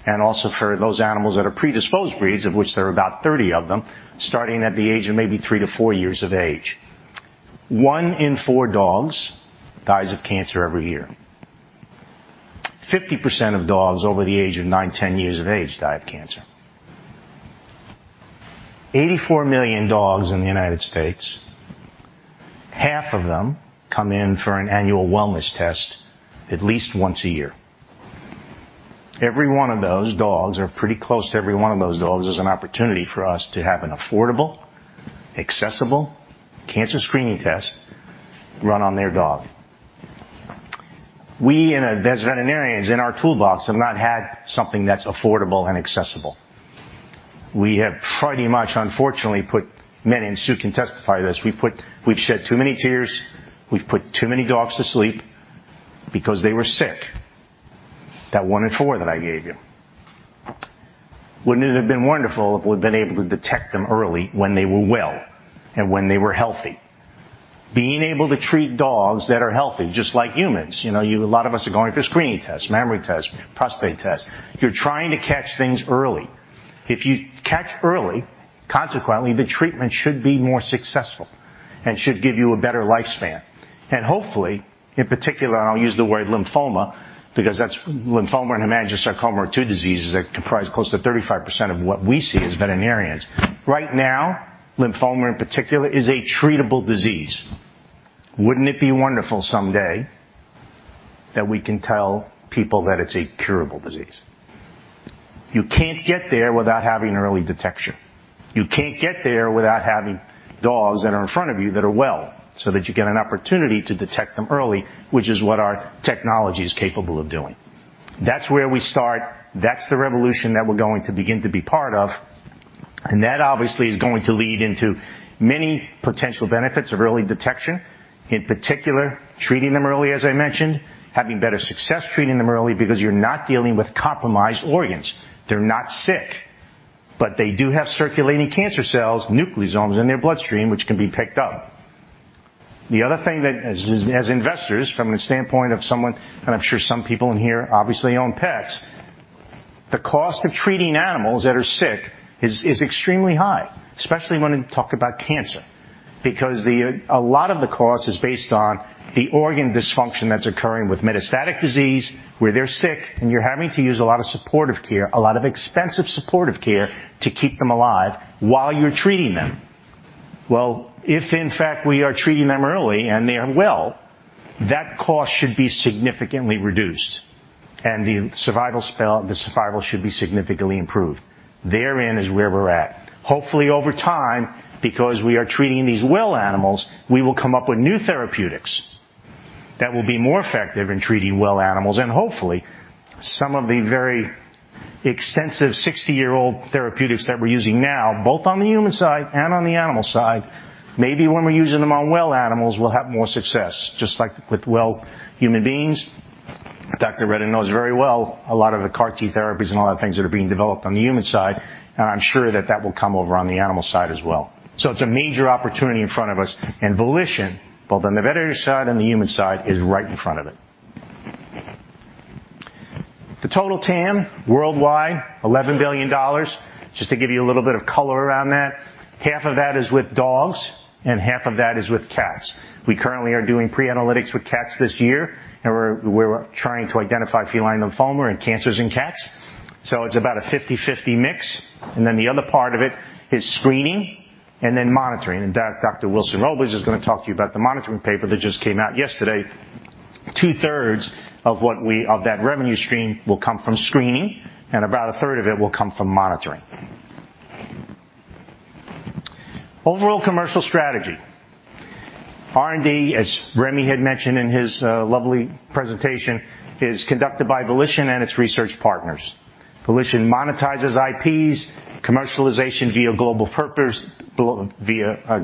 and also for those animals that are predisposed breeds, of which there are about 30 of them, starting at the age of maybe three-four years of age. One in four dogs dies of cancer every year. 50% of dogs over the age of nine, 10 years of age die of cancer. 84 million dogs in the United States, half of them come in for an annual wellness test at least once a year. Every one of those dogs, or pretty close to every one of those dogs, is an opportunity for us to have an affordable, accessible cancer screening test run on their dog. We as veterinarians in our toolbox have not had something that's affordable and accessible. We have pretty much, unfortunately, put many. Sue can testify to this, we've shed too many tears, we've put too many dogs to sleep because they were sick. That 1-in-4 that I gave you. Wouldn't it have been wonderful if we'd been able to detect them early when they were well and when they were healthy? Being able to treat dogs that are healthy, just like humans, you know, a lot of us are going for screening tests, memory tests, prostate tests. You're trying to catch things early. If you catch early, consequently, the treatment should be more successful and should give you a better lifespan. Hopefully, in particular, I'll use the word lymphoma because that's lymphoma and hemangiosarcoma are two diseases that comprise close to 35% of what we see as veterinarians. Right now, lymphoma, in particular, is a treatable disease. Wouldn't it be wonderful someday that we can tell people that it's a curable disease? You can't get there without having early detection. You can't get there without having dogs that are in front of you that are well, so that you get an opportunity to detect them early, which is what our technology is capable of doing. That's where we start. That's the revolution that we're going to begin to be part of. That obviously is going to lead into many potential benefits of early detection. In particular, treating them early, as I mentioned, having better success treating them early because you're not dealing with compromised organs. They're not sick. They do have circulating cancer cells, nucleosomes, in their bloodstream, which can be picked up. The other thing that as investors, from the standpoint of someone, I'm sure some people in here obviously own pets, the cost of treating animals that are sick is extremely high, especially when we talk about cancer. The a lot of the cost is based on the organ dysfunction that's occurring with metastatic disease where they're sick, and you're having to use a lot of supportive care, a lot of expensive supportive care to keep them alive while you're treating them. Well, if, in fact, we are treating them early and they are well, that cost should be significantly reduced and the survival should be significantly improved. Therein is where we're at. Hopefully over time, because we are treating these well animals, we will come up with new therapeutics that will be more effective in treating well animals, and hopefully, some of the very extensive 60-year-old therapeutics that we're using now, both on the human side and on the animal side, maybe when we're using them on well animals, we'll have more success, just like with well human beings. Dr. Reddel knows very well a lot of the CAR T therapies and a lot of things that are being developed on the human side, and I'm sure that that will come over on the animal side as well. It's a major opportunity in front of us, and Volition, both on the veterinary side and the human side, is right in front of it. The total TAM worldwide, $11 billion. Just to give you a little bit of color around that, half of that is with dogs and half of that is with cats. We currently are doing pre-analytics with cats this year, and we're trying to identify feline lymphoma and cancers in cats. It's about a 50/50 mix. The other part of it is screening and then monitoring. Dr. Heather Wilson-Robles is gonna talk to you about the monitoring paper that just came out yesterday. Two-thirds of that revenue stream will come from screening, and about a third of it will come from monitoring. Overall commercial strategy. R&D, as Remi had mentioned in his lovely presentation, is conducted by Volition and its research partners. Volition monetizes IPs, commercialization via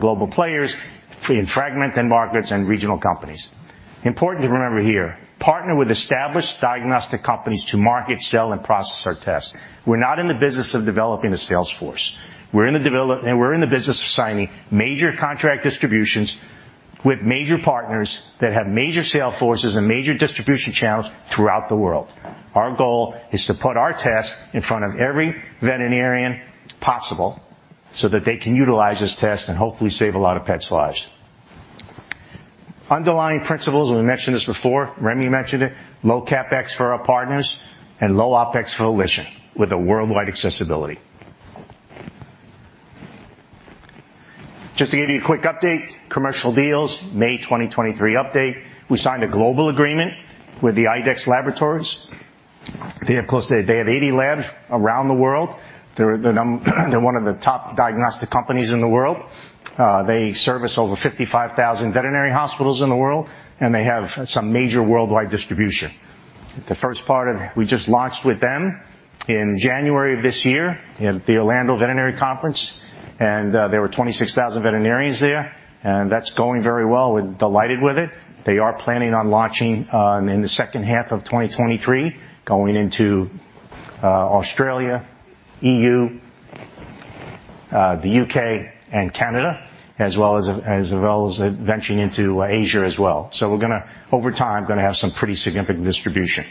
global players in fragment and markets and regional companies. Important to remember here, partner with established diagnostic companies to market, sell, and process our tests. We're not in the business of developing a sales force. We're in the business of signing major contract distributions with major partners that have major sales forces and major distribution channels throughout the world. Our goal is to put our tests in front of every veterinarian possible so that they can utilize this test and hopefully save a lot of pets' lives. Underlying principles, we mentioned this before, Remi mentioned it, low CapEx for our partners and low OpEx for Volition with a worldwide accessibility. Just to give you a quick update, commercial deals May 2023 update. We signed a global agreement with the IDEXX Laboratories. They have 80 labs around the world. They're one of the top diagnostic companies in the world. They service over 55,000 veterinary hospitals in the world, and they have some major worldwide distribution. We just launched with them in January of this year at the Orlando Veterinary Conference, and there were 26,000 veterinarians there. That's going very well. We're delighted with it. They are planning on launching in the second half of 2023, going into Australia, EU, the UK and Canada, as well as venturing into Asia as well. We're gonna over time, gonna have some pretty significant distribution.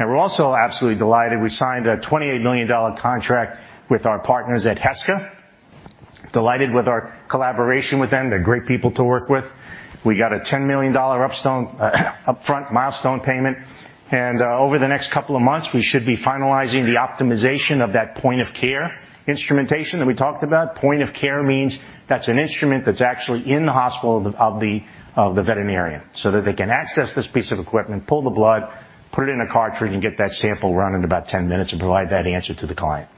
We're also absolutely delighted, we signed a $28 million contract with our partners at Heska. Delighted with our collaboration with them. They're great people to work with. We got a $10 million upfront milestone payment, over the next couple of months, we should be finalizing the optimization of that point of care instrumentation that we talked about. Point of care means that's an instrument that's actually in the hospital of the veterinarian, so that they can access this piece of equipment, pull the blood, put it in a cartridge, and get that sample run in about 10 minutes and provide that answer to the client.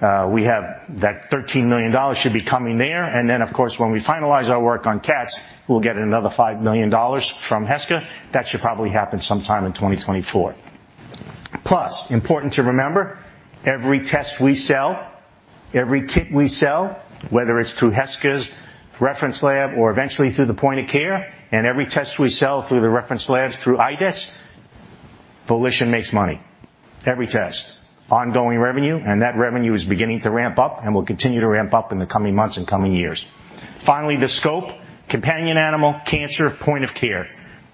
That $13 million should be coming there, and then, of course, when we finalize our work on cats, we'll get another $5 million from Heska. That should probably happen sometime in 2024. Plus, important to remember, every test we sell, every kit we sell, whether it's through Heska's reference lab or eventually through the point of care, and every test we sell through the reference labs through IDEXX, Volition makes money. Every test. Ongoing revenue. That revenue is beginning to ramp up and will continue to ramp up in the coming months and coming years. Finally, the scope, companion animal cancer point of care.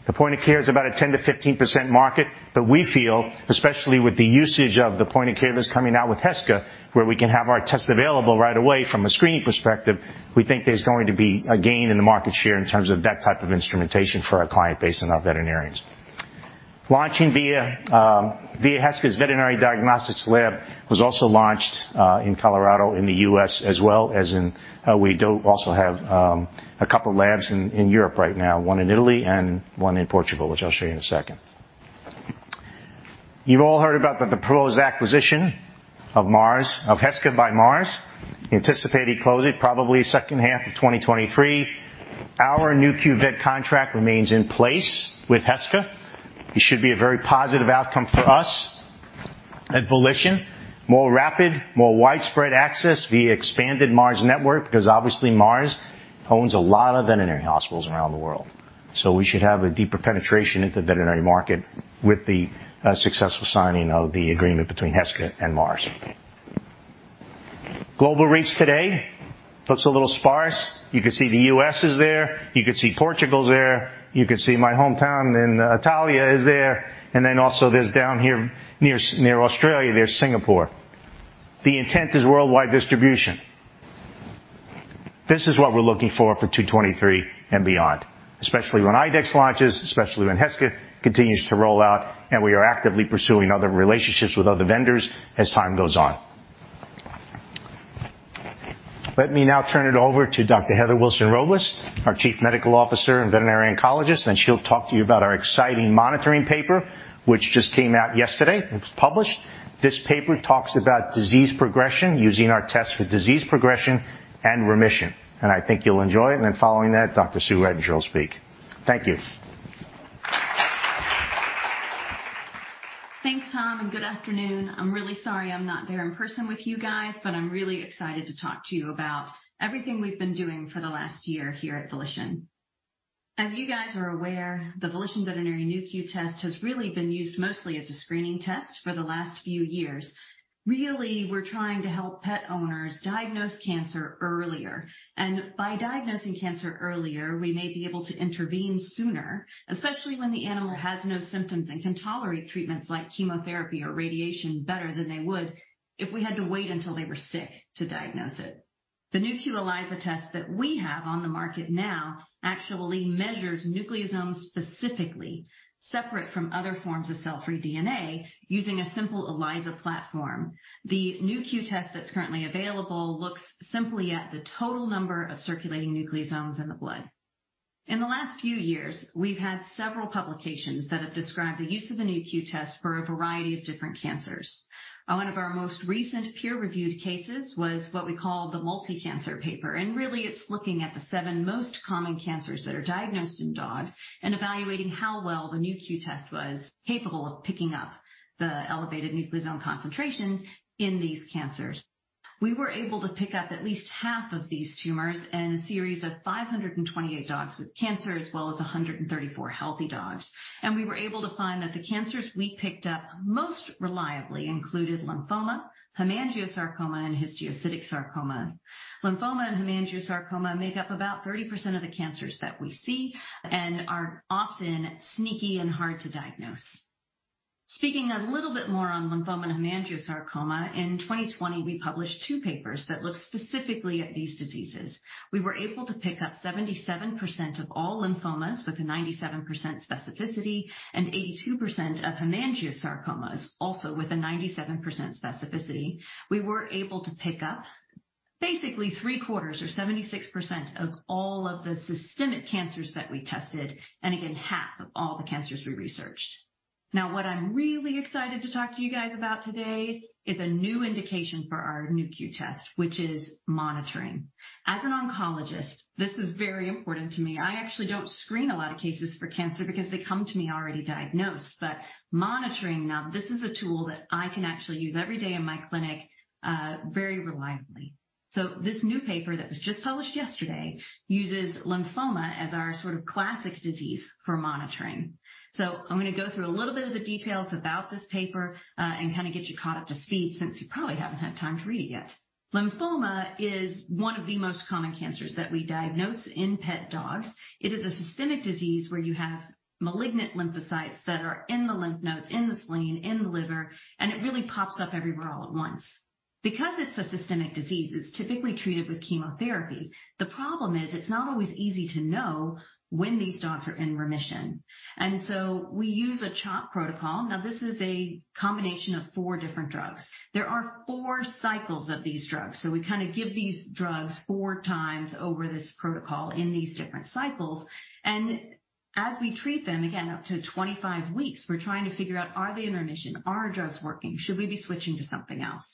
The point of care is about a 10%-15% market. We feel, especially with the usage of the point of care that's coming out with Heska, where we can have our tests available right away from a screening perspective, we think there's going to be a gain in the market share in terms of that type of instrumentation for our client base and our veterinarians. Launching via Heska's veterinary diagnostics lab was also launched in Colorado, in the U.S., as well as in, we do also have a couple of labs in Europe right now, one in Italy and one in Portugal, which I'll show you in a second. You've all heard about the proposed acquisition of Mars, of Heska by Mars. Anticipating closing probably second half of 2023. Our Nu.Q Vet contract remains in place with Heska. It should be a very positive outcome for us at Volition. More rapid, more widespread access via expanded Mars network, because obviously Mars owns a lot of veterinary hospitals around the world. We should have a deeper penetration into the veterinary market with the successful signing of the agreement between Heska and Mars. Global reach today looks a little sparse. You can see the U.S. is there. You can see Portugal is there. You can see my hometown in Italia is there. Also there's down here near Australia, there's Singapore. The intent is worldwide distribution. This is what we're looking for 2023 and beyond, especially when IDEXX launches, especially when Heska continues to roll out. We are actively pursuing other relationships with other vendors as time goes on. Let me now turn it over to Dr. Heather Wilson-Robles, our Chief Medical Officer and Veterinary Oncologist. She'll talk to you about our exciting monitoring paper, which just came out yesterday and was published. This paper talks about disease progression using our test for disease progression and remission. I think you'll enjoy it. Following that, Dr. Sue Ettinger will speak. Thank you. Thanks, Tom. Good afternoon. I'm really sorry I'm not there in person with you guys, but I'm really excited to talk to you about everything we've been doing for the last year here at Volition. As you guys are aware, the Volition Veterinary Nu.Q test has really been used mostly as a screening test for the last few years. Really, we're trying to help pet owners diagnose cancer earlier, and by diagnosing cancer earlier, we may be able to intervene sooner, especially when the animal has no symptoms and can tolerate treatments like chemotherapy or radiation better than they would if we had to wait until they were sick to diagnose it. The Nu.Q ELISA test that we have on the market now actually measures nucleosomes specifically separate from other forms of cell-free DNA using a simple ELISA platform. The NuQ test that's currently available looks simply at the total number of circulating nucleosomes in the blood. In the last few years, we've had several publications that have described the use of a NuQ test for a variety of different cancers. One of our most recent peer-reviewed cases was what we call the multi-cancer paper, really it's looking at the seven most common cancers that are diagnosed in dogs and evaluating how well the NuQ test was capable of picking up the elevated nucleosome concentrations in these cancers. We were able to pick up at least half of these tumors in a series of 528 dogs with cancer as well as 134 healthy dogs. We were able to find that the cancers we picked up most reliably included lymphoma, hemangiosarcoma, and histiocytic sarcoma. Lymphoma and hemangiosarcoma make up about 30% of the cancers that we see and are often sneaky and hard to diagnose. Speaking a little bit more on lymphoma and hemangiosarcoma, in 2020 we published two papers that looked specifically at these diseases. We were able to pick up 77% of all lymphomas with a 97% specificity and 82% of hemangiosarcomas also with a 97% specificity. Basically three quarters or 76% of all of the systemic cancers that we tested, and again, half of all the cancers we researched. What I'm really excited to talk to you guys about today is a new indication for our NuQ test, which is monitoring. As an oncologist, this is very important to me. I actually don't screen a lot of cases for cancer because they come to me already diagnosed. Monitoring, now this is a tool that I can actually use every day in my clinic, very reliably. This new paper that was just published yesterday uses lymphoma as our sort of classic disease for monitoring. I'm gonna go through a little bit of the details about this paper, and kinda get you caught up to speed since you probably haven't had time to read it yet. Lymphoma is one of the most common cancers that we diagnose in pet dogs. It is a systemic disease where you have malignant lymphocytes that are in the lymph nodes, in the spleen, in the liver, and it really pops up everywhere all at once. It's a systemic disease, it's typically treated with chemotherapy. The problem is it's not always easy to know when these dogs are in remission, and so we use a CHOP protocol. This is a combination of four different drugs. There are four cycles of these drugs. We kinda give these drugs 4x over this protocol in these different cycles. As we treat them, again, up to 25 weeks, we're trying to figure out are they in remission? Are our drugs working? Should we be switching to something else?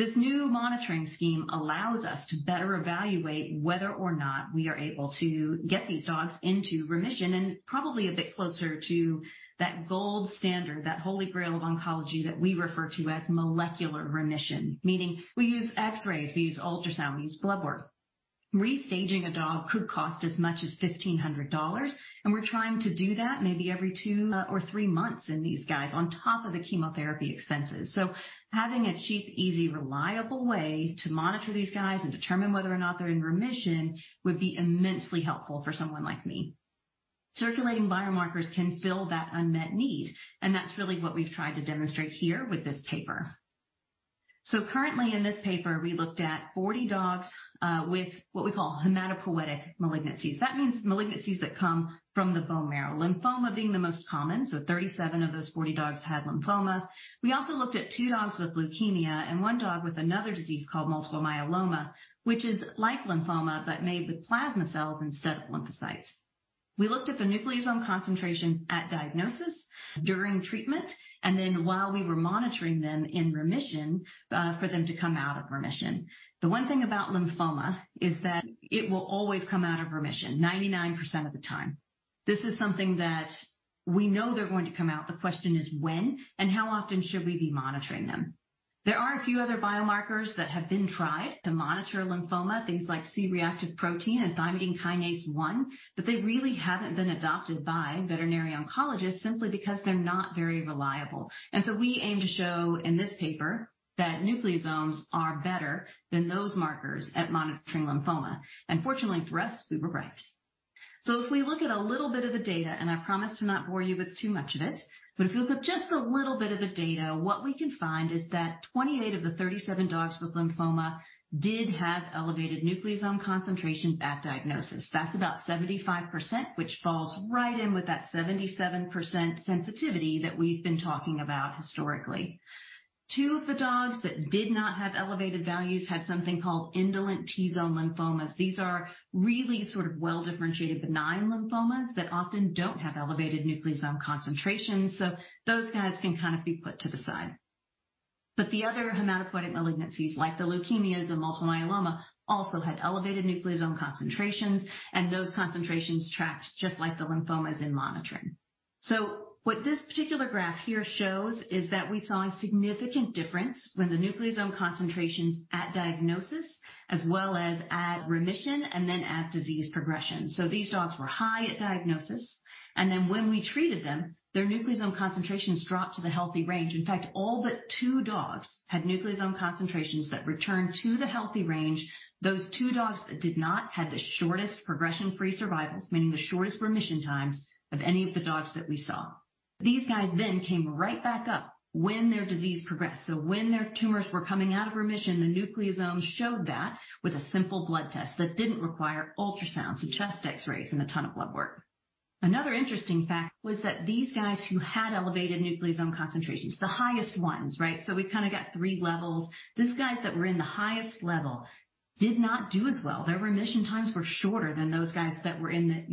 This new monitoring scheme allows us to better evaluate whether or not we are able to get these dogs into remission, and probably a bit closer to that gold standard, that holy grail of oncology that we refer to as molecular remission. Meaning we use X-rays, we use ultrasounds, we use blood work. Restaging a dog could cost as much as $1,500, and we're trying to do that maybe every two or three months in these guys on top of the chemotherapy expenses. Having a cheap, easy, reliable way to monitor these guys and determine whether or not they're in remission would be immensely helpful for someone like me. Circulating biomarkers can fill that unmet need, and that's really what we've tried to demonstrate here with this paper. Currently in this paper, we looked at 40 dogs with what we call hematopoietic malignancies. That means malignancies that come from the bone marrow, lymphoma being the most common. 37 of those 40 dogs had lymphoma. We also looked at two dogs with leukemia and one dog with another disease called multiple myeloma, which is like lymphoma, but made with plasma cells instead of lymphocytes. We looked at the nucleosome concentration at diagnosis during treatment, and then while we were monitoring them in remission for them to come out of remission. The one thing about lymphoma is that it will always come out of remission 99% of the time. This is something that we know they're going to come out. The question is when and how often should we be monitoring them? There are a few other biomarkers that have been tried to monitor lymphoma, things like C-reactive protein and thymidine kinase 1, but they really haven't been adopted by veterinary oncologists simply because they're not very reliable. So we aim to show in this paper that nucleosomes are better than those markers at monitoring lymphoma. Fortunately for us, we were right. If we look at a little bit of the data, and I promise to not bore you with too much of it, but if you look at just a little bit of the data, what we can find is that 28 of the 37 dogs with lymphoma did have elevated nucleosome concentrations at diagnosis. That's about 75%, which falls right in with that 77% sensitivity that we've been talking about historically. Two of the dogs that did not have elevated values had something called indolent T-zone lymphomas. These are really sort of well-differentiated benign lymphomas that often don't have elevated nucleosome concentrations. Those guys can kind of be put to the side. The other hematopoietic malignancies, like the leukemias and multiple myeloma, also had elevated nucleosome concentrations, and those concentrations tracked just like the lymphomas in monitoring. What this particular graph here shows is that we saw a significant difference when the nucleosome concentrations at diagnosis as well as at remission and at disease progression. These dogs were high at diagnosis, and when we treated them, their nucleosome concentrations dropped to the healthy range. In fact, all but two dogs had nucleosome concentrations that returned to the healthy range. Those two dogs that did not had the shortest progression-free survivals, meaning the shortest remission times of any of the dogs that we saw. These guys came right back up when their disease progressed. When their tumors were coming out of remission, the nucleosomes showed that with a simple blood test that didn't require ultrasounds and chest X-rays and a ton of blood work. Another interesting fact was that these guys who had elevated nucleosome concentrations, the highest ones, right? We've kind of got three levels. These guys that were in the highest level did not do as well. Their remission times were shorter than those guys that were in the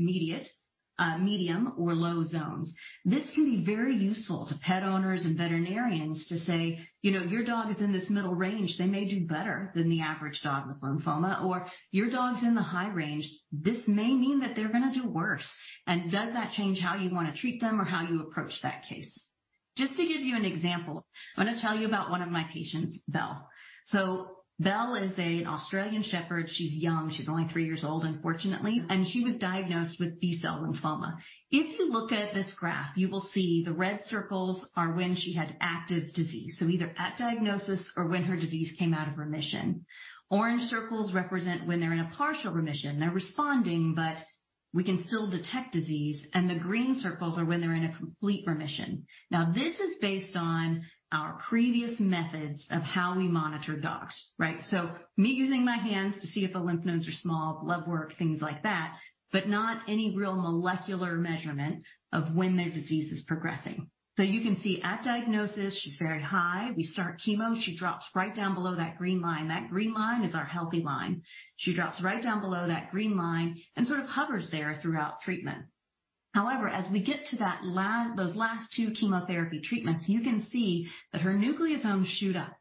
mediate medium or low zones. This can be very useful to pet owners and veterinarians to say, "You know, your dog is in this middle range. They may do better than the average dog with lymphoma." Or "Your dog's in the high range. This may mean that they're going to do worse." Does that change how you want to treat them or how you approach that case? Just to give you an example, I'm going to tell you about one of my patients, Belle. Belle is an Australian shepherd. She's young. She's only three years old, unfortunately. She was diagnosed with B-cell lymphoma. If you look at this graph, you will see the red circles are when she had active disease, so either at diagnosis or when her disease came out of remission. Orange circles represent when they're in a partial remission. They're responding, but we can still detect disease. The green circles are when they're in a complete remission. This is based on our previous methods of how we monitor dogs, right? Me using my hands to see if the lymph nodes are small, blood work, things like that, but not any real molecular measurement of when their disease is progressing. You can see at diagnosis, she's very high. We start chemo, she drops right down below that green line. That green line is our healthy line. She drops right down below that green line and sort of hovers there throughout treatment. However, as we get to those last two chemotherapy treatments, you can see that her nucleosomes shoot up.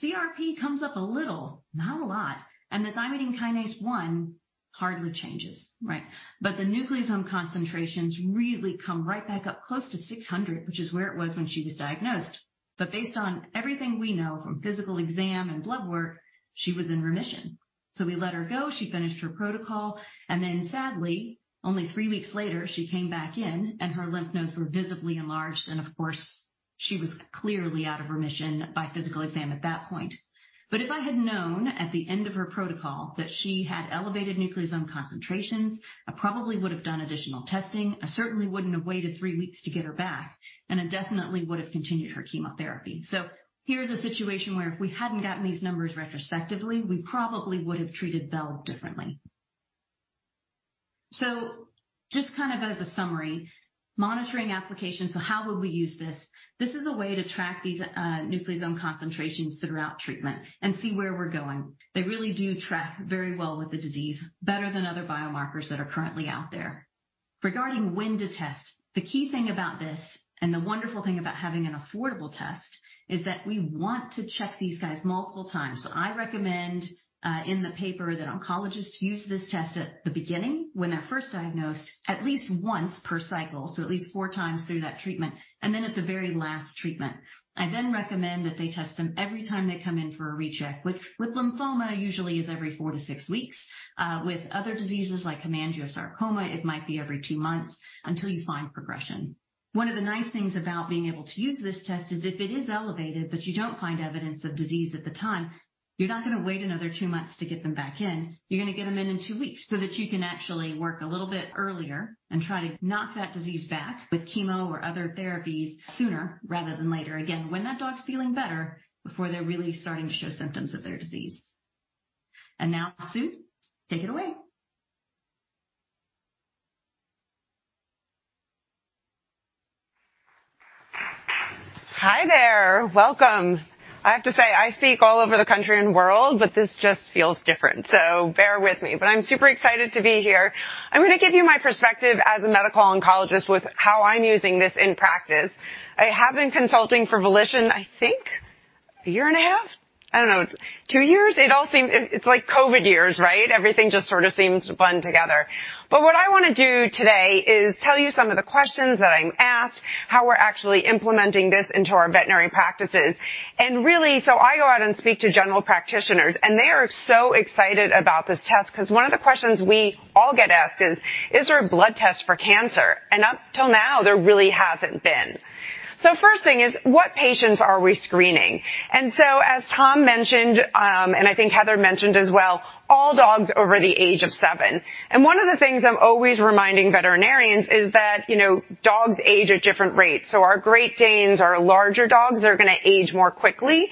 CRP comes up a little, not a lot, and the Thymidine kinase 1 hardly changes. The nucleosome concentrations really come right back up close to 600, which is where it was when she was diagnosed. Based on everything we know from physical exam and blood work, she was in remission. We let her go. She finished her protocol, and then sadly, only three weeks later, she came back in and her lymph nodes were visibly enlarged, and of course, she was clearly out of remission by physical exam at that point. If I had known at the end of her protocol that she had elevated nucleosome concentrations, I probably would have done additional testing. I certainly wouldn't have waited three weeks to get her back, and I definitely would have continued her chemotherapy. Here's a situation where if we hadn't gotten these numbers retrospectively, we probably would have treated Belle differently. Just kind of as a summary, monitoring applications. How would we use this? This is a way to track these nucleosome concentrations throughout treatment and see where we're going. They really do track very well with the disease, better than other biomarkers that are currently out there. Regarding when to test, the key thing about this, and the wonderful thing about having an affordable test, is that we want to check these guys multiple times. I recommend in the paper that oncologists use this test at the beginning, when they're first diagnosed, at least once per cycle, so at least four times through that treatment, and at the very last treatment. I recommend that they test them every time they come in for a recheck. With lymphoma usually is every four-six weeks. With other diseases like hemangiosarcoma, it might be every two months until you find progression. One of the nice things about being able to use this test is if it is elevated, but you don't find evidence of disease at the time, you're not gonna wait another two months to get them back in. You're gonna get them in two weeks so that you can actually work a little bit earlier and try to knock that disease back with chemo or other therapies sooner rather than later. Again, when that dog's feeling better, before they're really starting to show symptoms of their disease. Now, Sue, take it away. Hi there. Welcome. I have to say, I speak all over the country and world, this just feels different. Bear with me. I'm super excited to be here. I'm gonna give you my perspective as a medical oncologist with how I'm using this in practice. I have been consulting for Volition, I think a year and a half. I don't know. It's two years? It's like COVID years, right? Everything just sort of seems bun together. What I wanna do today is tell you some of the questions that I'm asked, how we're actually implementing this into our veterinary practices. I go out and speak to general practitioners, and they are so excited about this test because one of the questions we all get asked is, "Is there a blood test for cancer?" Up till now, there really hasn't been. First thing is, what patients are we screening? As Tom mentioned, and I think Heather mentioned as well, all dogs over the age of seven. One of the things I'm always reminding veterinarians is that, you know, dogs age at different rates. Our Great Danes, our larger dogs are gonna age more quickly.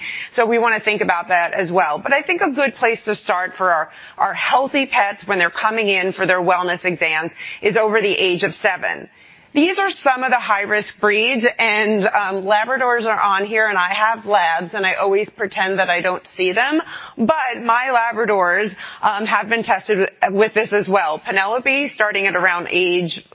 We wanna think about that as well. I think a good place to start for our healthy pets when they're coming in for their wellness exams is over the age of seven. These are some of the high-risk breeds, and Labradors are on here, and I have Labs, and I always pretend that I don't see them. My Labradors have been tested with this as well. Penelope starting at around age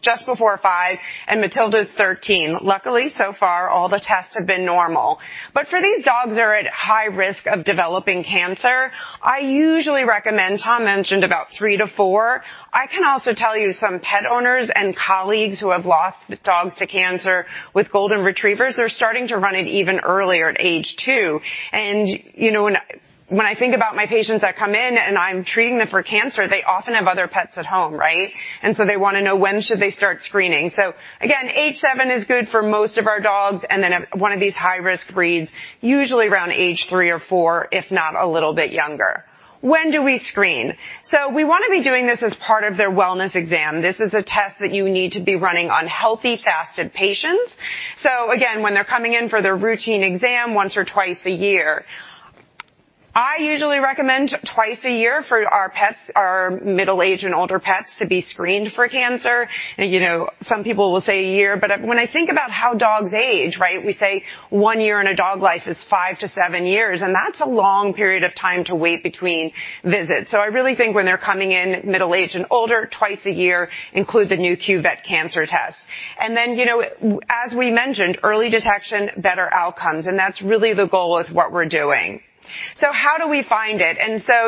just before five, and Matilda is 13. Luckily, so far, all the tests have been normal. For these dogs that are at high risk of developing cancer, I usually recommend, Tom mentioned about three-four. I can also tell you some pet owners and colleagues who have lost dogs to cancer with Golden Retrievers, they're starting to run it even earlier at age two. You know, when I think about my patients that come in and I'm treating them for cancer, they often have other pets at home, right? They wanna know when should they start screening. Again, age seven is good for most of our dogs, then if one of these high-risk breeds, usually around age three or four, if not a little bit younger. When do we screen? We wanna be doing this as part of their wellness exam. This is a test that you need to be running on healthy, fasted patients. Again, when they're coming in for their routine exam once or twice a year. I usually recommend twice a year for our pets, our middle-aged and older pets to be screened for cancer. You know, some people will say a year, but when I think about how dogs age, right, we say one year in a dog life is five to seven years, that's a long period of time to wait between visits. I really think when they're coming in middle-aged and older, twice a year include the Nu.Q Vet Cancer Test. You know, as we mentioned, early detection, better outcomes, and that's really the goal with what we're doing. How do we find it?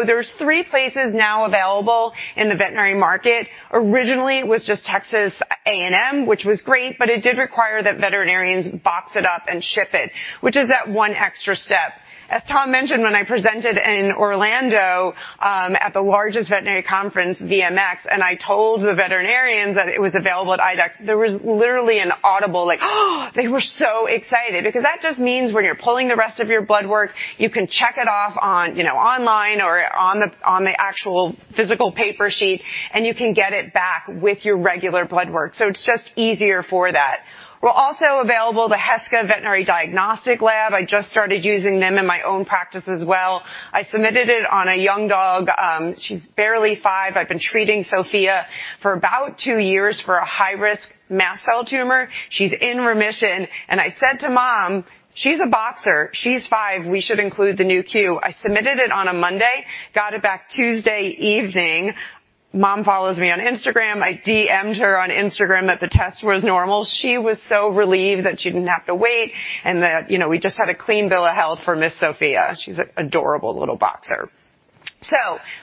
There's three places now available in the veterinary market. Originally, it was just Texas A&M, which was great, but it did require that veterinarians box it up and ship it, which is that one extra step. As Tom mentioned, when I presented in Orlando, at the largest veterinary conference, VMX, and I told the veterinarians that it was available at IDEXX, there was literally an audible like, they were so excited because that just means when you're pulling the rest of your blood work, you can check it off on, you know, online or on the, on the actual physical paper sheet, and you can get it back with your regular blood work. It's just easier for that. We're also available at the Heska Veterinary Diagnostic Lab. I just started using them in my own practice as well. I submitted it on a young dog, she's barely five. I've been treating Sophia for about two years for a high risk mast cell tumor. She's in remission. I said to mom, "She's a boxer. She's five. We should include the Nu.Q." I submitted it on a Monday, got it back Tuesday evening. Mom follows me on Instagram. I DM'd her on Instagram that the test was normal. She was so relieved that she didn't have to wait and that, you know, we just had a clean bill of health for Miss Sophia. She's an adorable little boxer.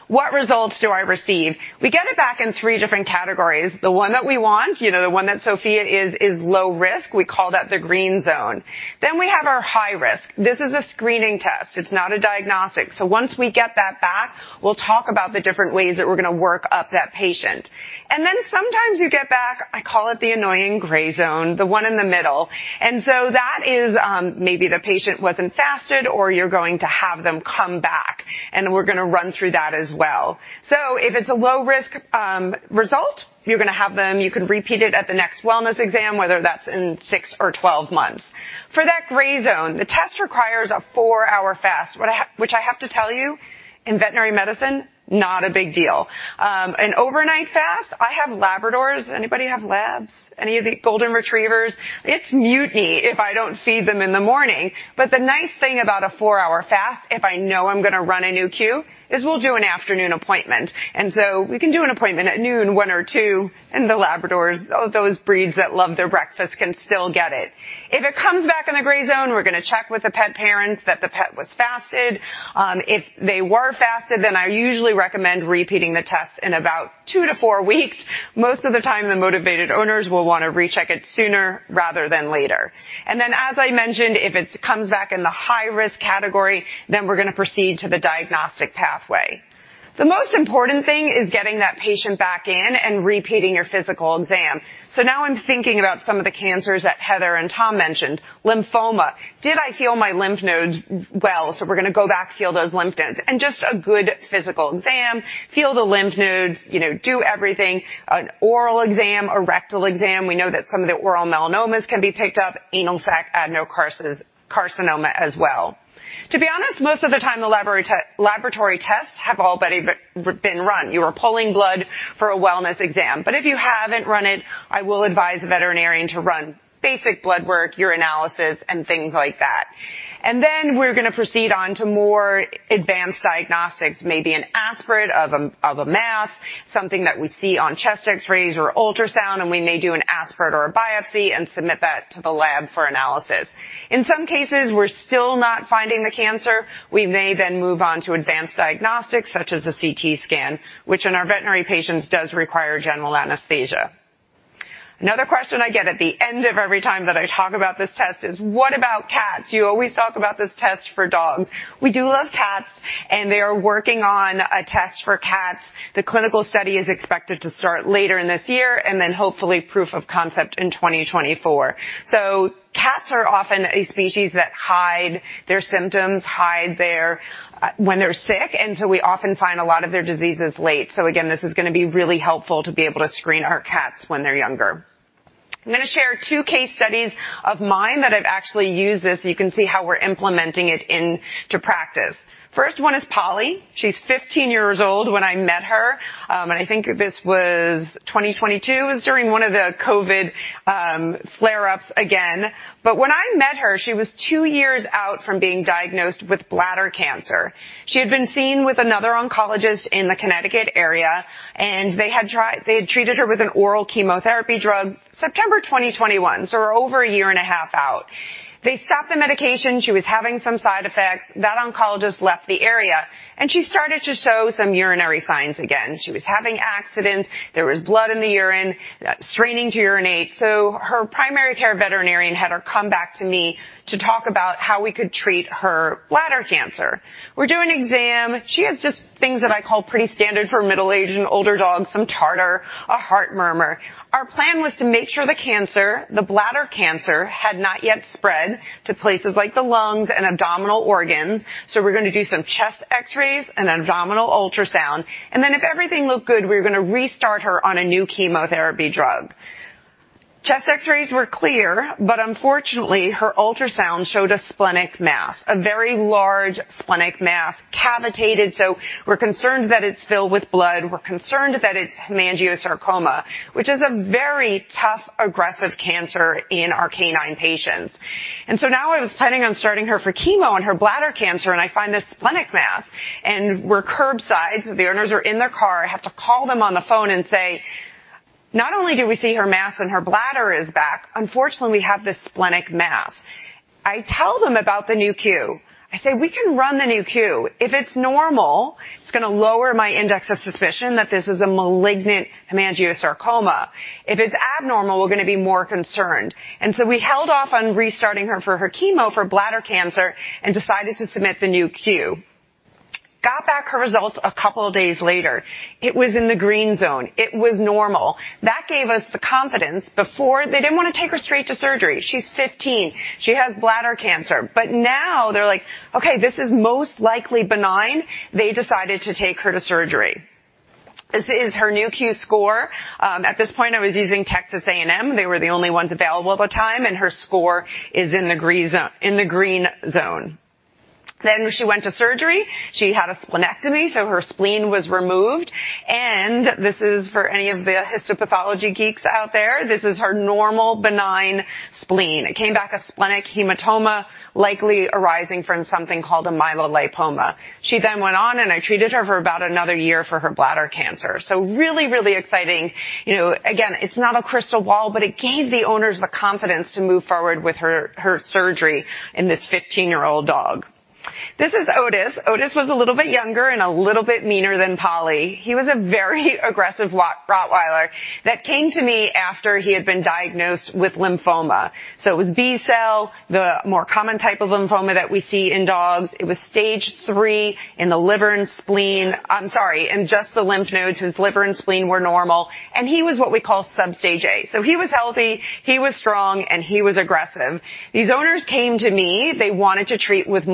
What results do I receive? We get it back in three different categories. The one that we want, you know, the one that Sophia is low risk. We call that the green zone. We have our high risk. This is a screening test. It's not a diagnostic. Once we get that back, we'll talk about the different ways that we're gonna work up that patient. Sometimes you get back, I call it the annoying gray zone, the one in the middle. That is, maybe the patient wasn't fasted or you're going to have them come back, and we're gonna run through that as well. If it's a low-risk result, you're gonna have them you can repeat it at the next wellness exam, whether that's in six or 12 months. For that gray zone, the test requires a four-hour fast. Which I have to tell you, in veterinary medicine, not a big deal. An overnight fast, I have Labradors. Anybody have Labs? Any of the Golden Retrievers? It's mutiny if I don't feed them in the morning. The nice thing about a four-hour fast, if I know I'm gonna run a Nu.Q, is we'll do an afternoon appointment. We can do an appointment at noon, one or two, and the Labradors, all those breeds that love their breakfast can still get it. If it comes back in the gray zone, we're gonna check with the pet parents that the pet was fasted. If they were fasted, then I usually recommend repeating the test in about two-four weeks. Most of the time, the motivated owners will wanna recheck it sooner rather than later. Then, as I mentioned, if it comes back in the high-risk category, then we're gonna proceed to the diagnostic pathway. The most important thing is getting that patient back in and repeating your physical exam. Now I'm thinking about some of the cancers that Heather and Tom mentioned. Lymphoma. Did I feel my lymph nodes well? We're gonna go back, feel those lymph nodes, and just a good physical exam, feel the lymph nodes, you know, do everything, an oral exam, a rectal exam. We know that some of the oral melanomas can be picked up, anal sac adenocarcinoma as well. To be honest, most of the time, the laboratory tests have already been run. You are pulling blood for a wellness exam. If you haven't run it, I will advise the veterinarian to run basic blood work, urinalysis, and things like that. Then we're gonna proceed on to more advanced diagnostics, maybe an aspirate of a mass, something that we see on chest X-rays or ultrasound, and we may do an aspirate or a biopsy and submit that to the lab for analysis. In some cases, we're still not finding the cancer. We may then move on to advanced diagnostics, such as a CT scan, which in our veterinary patients does require general anesthesia. Another question I get at the end of every time that I talk about this test is, what about cats? You always talk about this test for dogs. We do love cats, and they are working on a test for cats. The clinical study is expected to start later in this year and then hopefully proof of concept in 2024. Cats are often a species that hide their symptoms, hide their when they're sick, and so we often find a lot of their diseases late. Again, this is gonna be really helpful to be able to screen our cats when they're younger. I'm gonna share two case studies of mine that I've actually used this, so you can see how we're implementing it into practice. First one is Polly. She's 15 years old when I met her, and I think this was 2022. It was during one of the COVID flare-ups again. When I met her, she was two years out from being diagnosed with bladder cancer. She had been seen with another oncologist in the Connecticut area, and they had treated her with an oral chemotherapy drug September 2021, so we're over a year and a half out. They stopped the medication. She was having some side effects. That oncologist left the area, and she started to show some urinary signs again. She was having accidents. There was blood in the urine, straining to urinate. Her primary care veterinarian had her come back to me to talk about how we could treat her bladder cancer. We do an exam. She has just things that I call pretty standard for middle-aged and older dogs, some tartar, a heart murmur. Our plan was to make sure the cancer, the bladder cancer, had not yet spread to places like the lungs and abdominal organs. We're gonna do some chest X-rays and abdominal ultrasound. If everything looked good, we were gonna restart her on a new chemotherapy drug. Chest X-rays were clear, unfortunately, her ultrasound showed a splenic mass, a very large splenic mass, cavitated, so we're concerned that it's filled with blood. We're concerned that it's hemangiosarcoma, which is a very tough, aggressive cancer in our canine patients. Now I was planning on starting her for chemo on her bladder cancer, I find this splenic mass. We're curbside, so the owners are in their car. I have to call them on the phone and say, "Not only do we see her mass in her bladder is back, unfortunately, we have this splenic mass." I tell them about the Nu.Q. I say, "We can run the Nu.Q. If it's normal, it's gonna lower my index of suspicion that this is a malignant hemangiosarcoma. If it's abnormal, we're gonna be more concerned." We held off on restarting her for her chemo for bladder cancer and decided to submit the Nu.Q. Got back her results a couple of days later. It was in the green zone. It was normal. That gave us the confidence. Before, they didn't wanna take her straight to surgery. She's 15. She has bladder cancer. Now they're like, "Okay, this is most likely benign." They decided to take her to surgery. This is her Nu.Q score. At this point, I was using Texas A&M. They were the only ones available at the time, her score is in the green zone. She went to surgery. She had a splenectomy, her spleen was removed. This is for any of the histopathology geeks out there. This is her normal benign spleen. It came back a splenic hematoma, likely arising from something called a myelolipoma. She then went on and I treated her for about another year for her bladder cancer. Really exciting. You know, again, it's not a crystal ball, but it gave the owners the confidence to move forward with her surgery in this 15-year-old dog. This is Otis. Otis was a little bit younger and a little bit meaner than Polly. He was a very aggressive Ro-Rottweiler that came to me after he had been diagnosed with lymphoma. It was B-cell, the more common type of lymphoma that we see in dogs. It was stage 3 in the liver and spleen. I'm sorry, in just the lymph nodes. His liver and spleen were normal. He was what we call sub-stage A. He was healthy, he was strong, and he was aggressive. These owners came to me. They wanted to treat with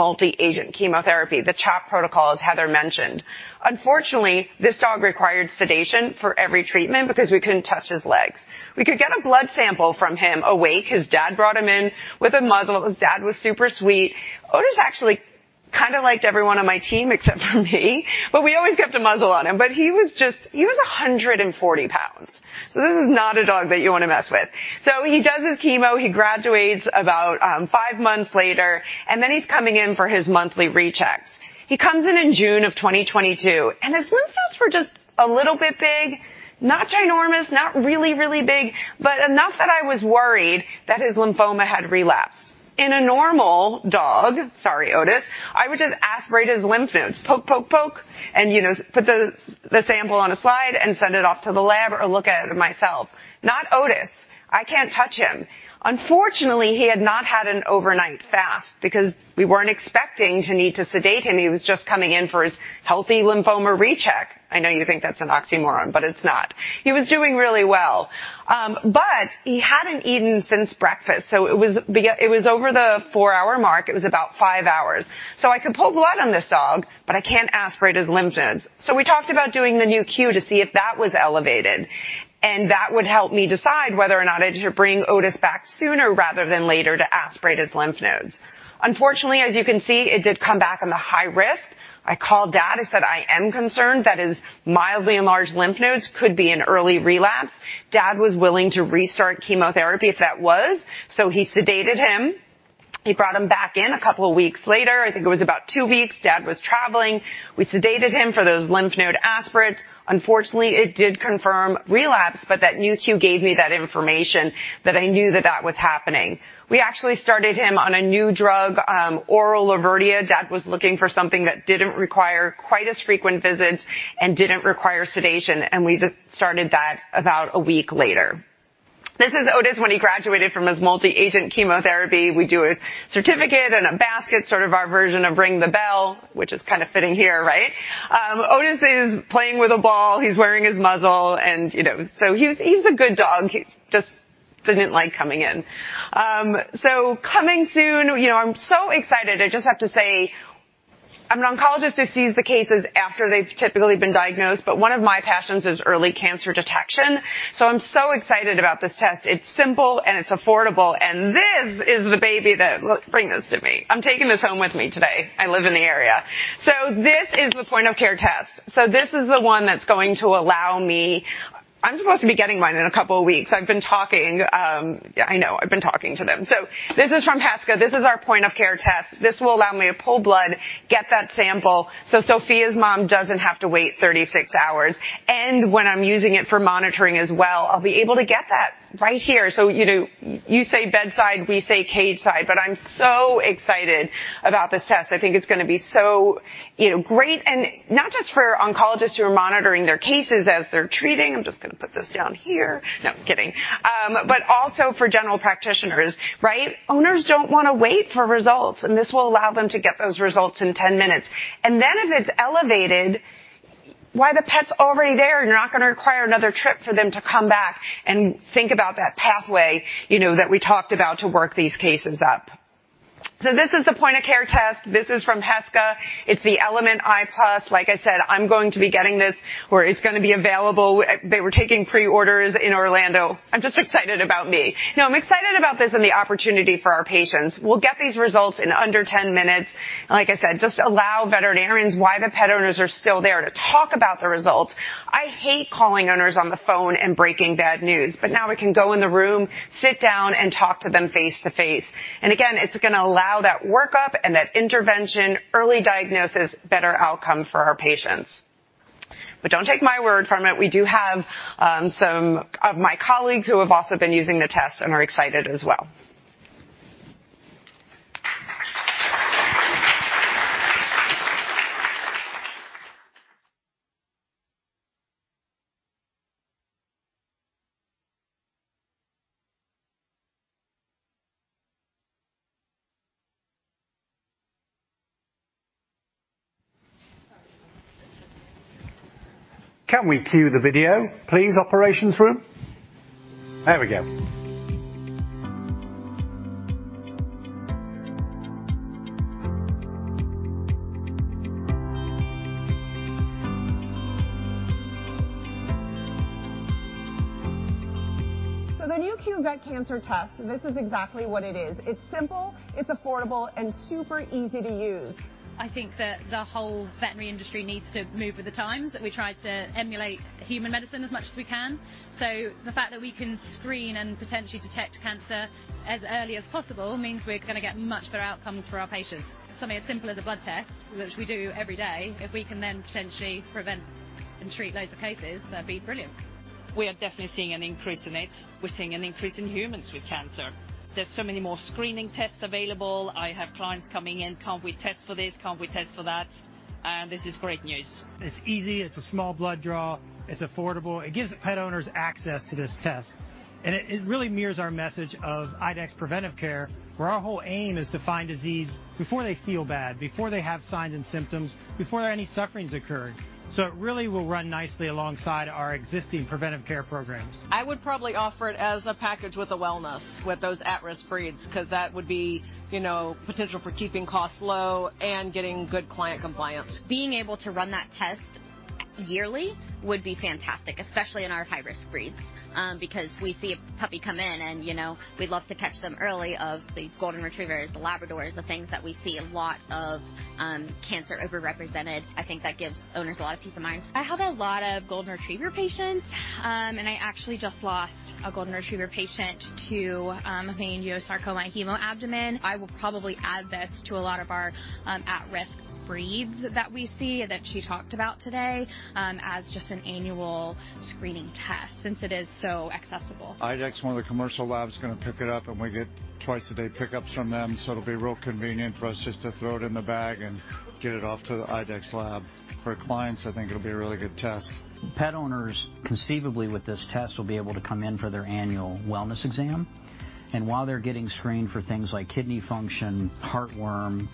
multi-agent chemotherapy, the CHOP protocol, as Heather mentioned. Unfortunately, this dog required sedation for every treatment because we couldn't touch his legs. We could get a blood sample from him awake. His dad brought him in with a muzzle. His dad was super sweet. Otis actually kinda liked everyone on my team except for me. We always kept a muzzle on him. He was 140 pounds. This is not a dog that you wanna mess with. He does his chemo, he graduates about five months later, he's coming in for his monthly rechecks. He comes in in June of 2022, his lymph nodes were just a little bit big. Not ginormous, not really big, but enough that I was worried that his lymphoma had relapsed. In a normal dog, sorry, Otis, I would just aspirate his lymph nodes. Poke, you know, put the sample on a slide and send it off to the lab or look at it myself. Not Otis. I can't touch him. Unfortunately, he had not had an overnight fast because we weren't expecting to need to sedate him. He was just coming in for his healthy lymphoma recheck. I know you think that's an oxymoron, it's not. He was doing really well. He hadn't eaten since breakfast, so it was over the four-hour mark. It was about five hours. I could pull blood on this dog, I can't aspirate his lymph nodes. We talked about doing the Nu.Q to see if that was elevated, that would help me decide whether or not I should bring Otis back sooner rather than later to aspirate his lymph nodes. Unfortunately, as you can see, it did come back on the high risk. I called Dad and said, "I am concerned that his mildly enlarged lymph nodes could be an early relapse." Dad was willing to restart chemotherapy if that was. He sedated him. He brought him back in two weeks later. I think it was about two weeks. Dad was traveling. We sedated him for those lymph node aspirates. Unfortunately, it did confirm relapse. That Nu.Q gave me that information that I knew that that was happening. We actually started him on a new drug, oral Laverdia. Dad was looking for something that didn't require quite as frequent visits and didn't require sedation. We just started that about a week later. This is Otis when he graduated from his multi-agent chemotherapy. We do a certificate and a basket, sort of our version of ring the bell, which is kinda fitting here, right? Otis is playing with a ball. He's wearing his muzzle and, you know. He's a good dog. He just didn't like coming in. Coming soon, you know, I'm so excited, I just have to say I'm an oncologist who sees the cases after they've typically been diagnosed, but one of my passions is early cancer detection. I'm so excited about this test. It's simple and it's affordable, and this is the baby that, look, bring this to me. I'm taking this home with me today. I live in the area. This is the point of care test. This is the one that's going to allow me-- I'm supposed to be getting mine in a couple of weeks. I've been talking, yeah, I know. I've been talking to them. This is from Heska. This is our point of care test. This will allow me to pull blood, get that sample, so Sophia's mom doesn't have to wait 36 hours. When I'm using it for monitoring as well, I'll be able to get that right here. You know, you say bedside, we say cage side, but I'm so excited about this test. I think it's gonna be so, you know, great and not just for oncologists who are monitoring their cases as they're treating. I'm just gonna put this down here. No, kidding. Also for general practitioners, right? Owners don't wanna wait for results, and this will allow them to get those results in 10 minutes. If it's elevated, why, the pet's already there, you're not gonna require another trip for them to come back, and think about that pathway, you know, that we talked about to work these cases up. This is a point of care test. This is from Heska. It's the Element i+. Like I said, I'm going to be getting this, or it's gonna be available. They were taking pre-orders in Orlando. I'm just excited about me. No, I'm excited about this and the opportunity for our patients. We'll get these results in under 10 minutes. Like I said, just allow veterinarians while the pet owners are still there to talk about the results. I hate calling owners on the phone and breaking bad news, but now I can go in the room, sit down, and talk to them face-to-face. Again, it's gonna allow that workup and that intervention, early diagnosis, better outcome for our patients. Don't take my word from it. We do have some of my colleagues who have also been using the test and are excited as well. Can we cue the video, please, operations room? There we go. If you vet cancer tests, this is exactly what it is. It's simple, it's affordable, and super easy to use. I think that the whole veterinary industry needs to move with the times, that we try to emulate human medicine as much as we can. The fact that we can screen and potentially detect cancer as early as possible means we're gonna get much better outcomes for our patients. Something as simple as a blood test, which we do every day, if we can then potentially prevent and treat loads of cases, that'd be brilliant. We are definitely seeing an increase in it. We're seeing an increase in humans with cancer. There's so many more screening tests available. I have clients coming in, "Can't we test for this? Can't we test for that?" This is great news. It's easy, it's a small blood draw. It's affordable. It gives pet owners access to this test. It really mirrors our message of IDEXX preventive care, where our whole aim is to find disease before they feel bad, before they have signs and symptoms, before any suffering's occurred. It really will run nicely alongside our existing preventive care programs. I would probably offer it as a package with a wellness with those at-risk breeds 'cause that would be, you know, potential for keeping costs low and getting good client compliance. Being able to run that test yearly would be fantastic, especially in our high-risk breeds. We see a puppy come in and, you know, we'd love to catch them early of the golden retrievers, the Labradors, the things that we see a lot of, cancer overrepresented. I think that gives owners a lot of peace of mind. I have a lot of golden retriever patients, and I actually just lost a golden retriever patient to hemangiosarcoma hemoabdomen. I will probably add this to a lot of our at-risk breeds that we see that she talked about today as just an annual screening test since it is so accessible. IDEXX, one of the commercial labs, is gonna pick it up, and we get twice-a-day pickups from them, so it'll be real convenient for us just to throw it in the bag and get it off to the IDEXX lab. For clients, I think it'll be a really good test. Pet owners conceivably with this test will be able to come in for their annual wellness exam, and while they're getting screened for things like kidney function, heartworm,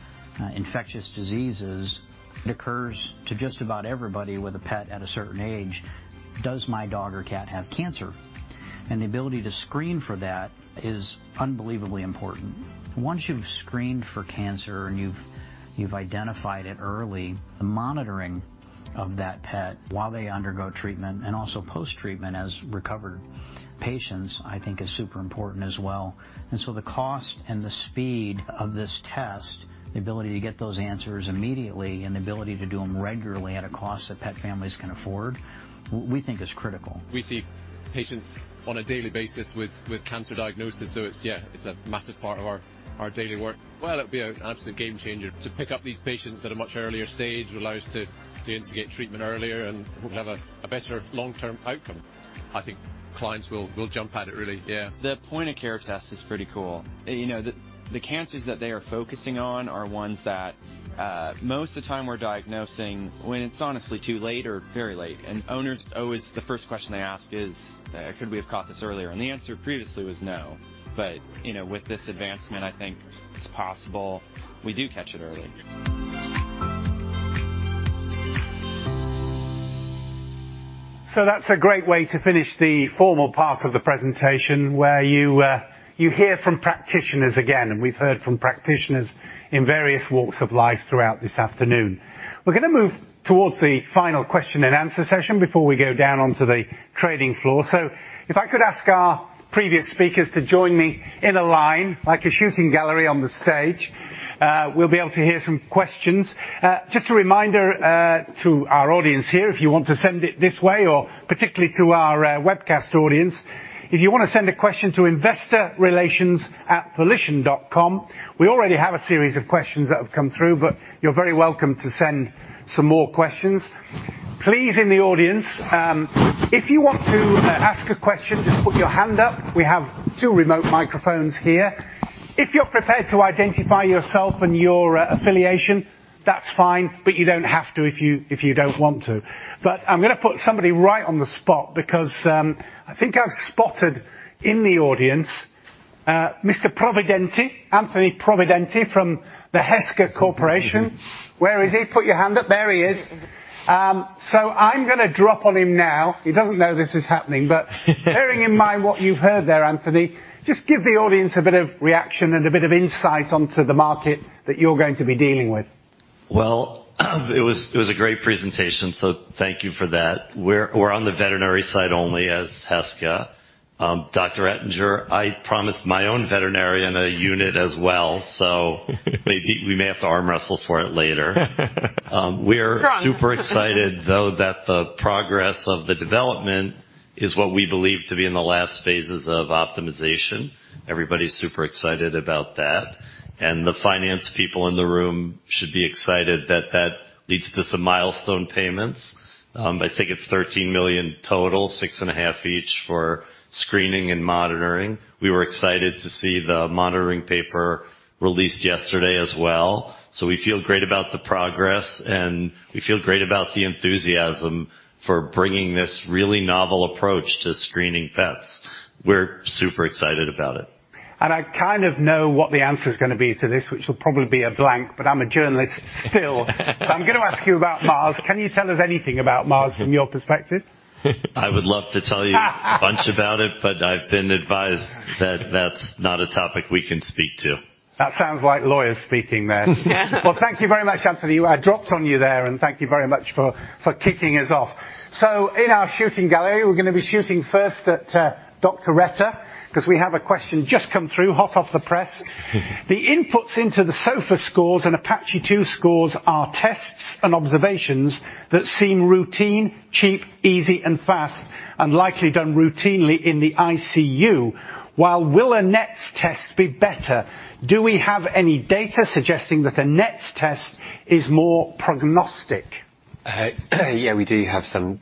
infectious diseases, it occurs to just about everybody with a pet at a certain age, "Does my dog or cat have cancer?" The ability to screen for that is unbelievably important. Once you've screened for cancer and you've identified it early, the monitoring of that pet while they undergo treatment and also post-treatment as recovered patients, I think is super important as well. The cost and the speed of this test, the ability to get those answers immediately and the ability to do them regularly at a cost that pet families can afford, we think is critical. We see patients on a daily basis with cancer diagnosis, it's a massive part of our daily work. It'll be an absolute game changer to pick up these patients at a much earlier stage, allow us to instigate treatment earlier and we'll have a better long-term outcome. I think clients will jump at it really. The point of care test is pretty cool. You know, the cancers that they are focusing on are ones that most of the time we're diagnosing when it's honestly too late or very late. Owners always, the first question they ask is, "Could we have caught this earlier?" The answer previously was no. You know, with this advancement, I think it's possible we do catch it early. That's a great way to finish the formal part of the presentation, where you hear from practitioners again, and we've heard from practitioners in various walks of life throughout this afternoon. We're gonna move towards the final question and answer session before we go down onto the trading floor. If I could ask our previous speakers to join me in a line, like a shooting gallery on the stage, we'll be able to hear some questions. Just a reminder to our audience here, if you want to send it this way or particularly to our webcast audience, if you wanna send a question to investorrelations@volition.com, we already have a series of questions that have come through, but you're very welcome to send some more questions. Please, in the audience, if you want to ask a question, just put your hand up. We have two remote microphones here. If you're prepared to identify yourself and your affiliation, that's fine, but you don't have to if you don't want to. I'm gonna put somebody right on the spot because I think I've spotted in the audience Mr. Providenti, Anthony Providenti from the Heska Corporation. Where is he? Put your hand up. There he is. I'm gonna drop on him now. He doesn't know this is happening. Bearing in mind what you've heard there, Anthony, just give the audience a bit of reaction and a bit of insight onto the market that you're going to be dealing with. Well, it was a great presentation, thank you for that. We're on the veterinary side only as Heska. Dr. Ettinger, I promised my own veterinarian a unit as well. Maybe we may have to arm wrestle for it later. Strong super excited, though, that the progress of the development is what we believe to be in the last phases of optimization. Everybody's super excited about that. The finance people in the room should be excited that that leads to some milestone payments. I think it's $13 million total, $6.5 million each for screening and monitoring. We were excited to see the monitoring paper released yesterday as well. We feel great about the progress, and we feel great about the enthusiasm for bringing this really novel approach to screening pets. We're super excited about it. I kind of know what the answer is gonna be to this, which will probably be a blank, but I'm a journalist still. I'm gonna ask you about Mars. Can you tell us anything about Mars from your perspective? I would love to tell a bunch about it, but I've been advised that that's not a topic we can speak to. That sounds like lawyers speaking there. Well, thank you very much, Anthony. I dropped on you there, and thank you very much for kicking us off. In our shooting gallery, we're gonna be shooting first at Dr. Retter, 'cause we have a question just come through hot off the press. Mm-hmm. The inputs into the SOFA scores and APACHE II scores are tests and observations that seem routine, cheap, easy and fast, and likely done routinely in the ICU. While will a NETs test be better, do we have any data suggesting that a NETs test is more prognostic? Yeah, we do have some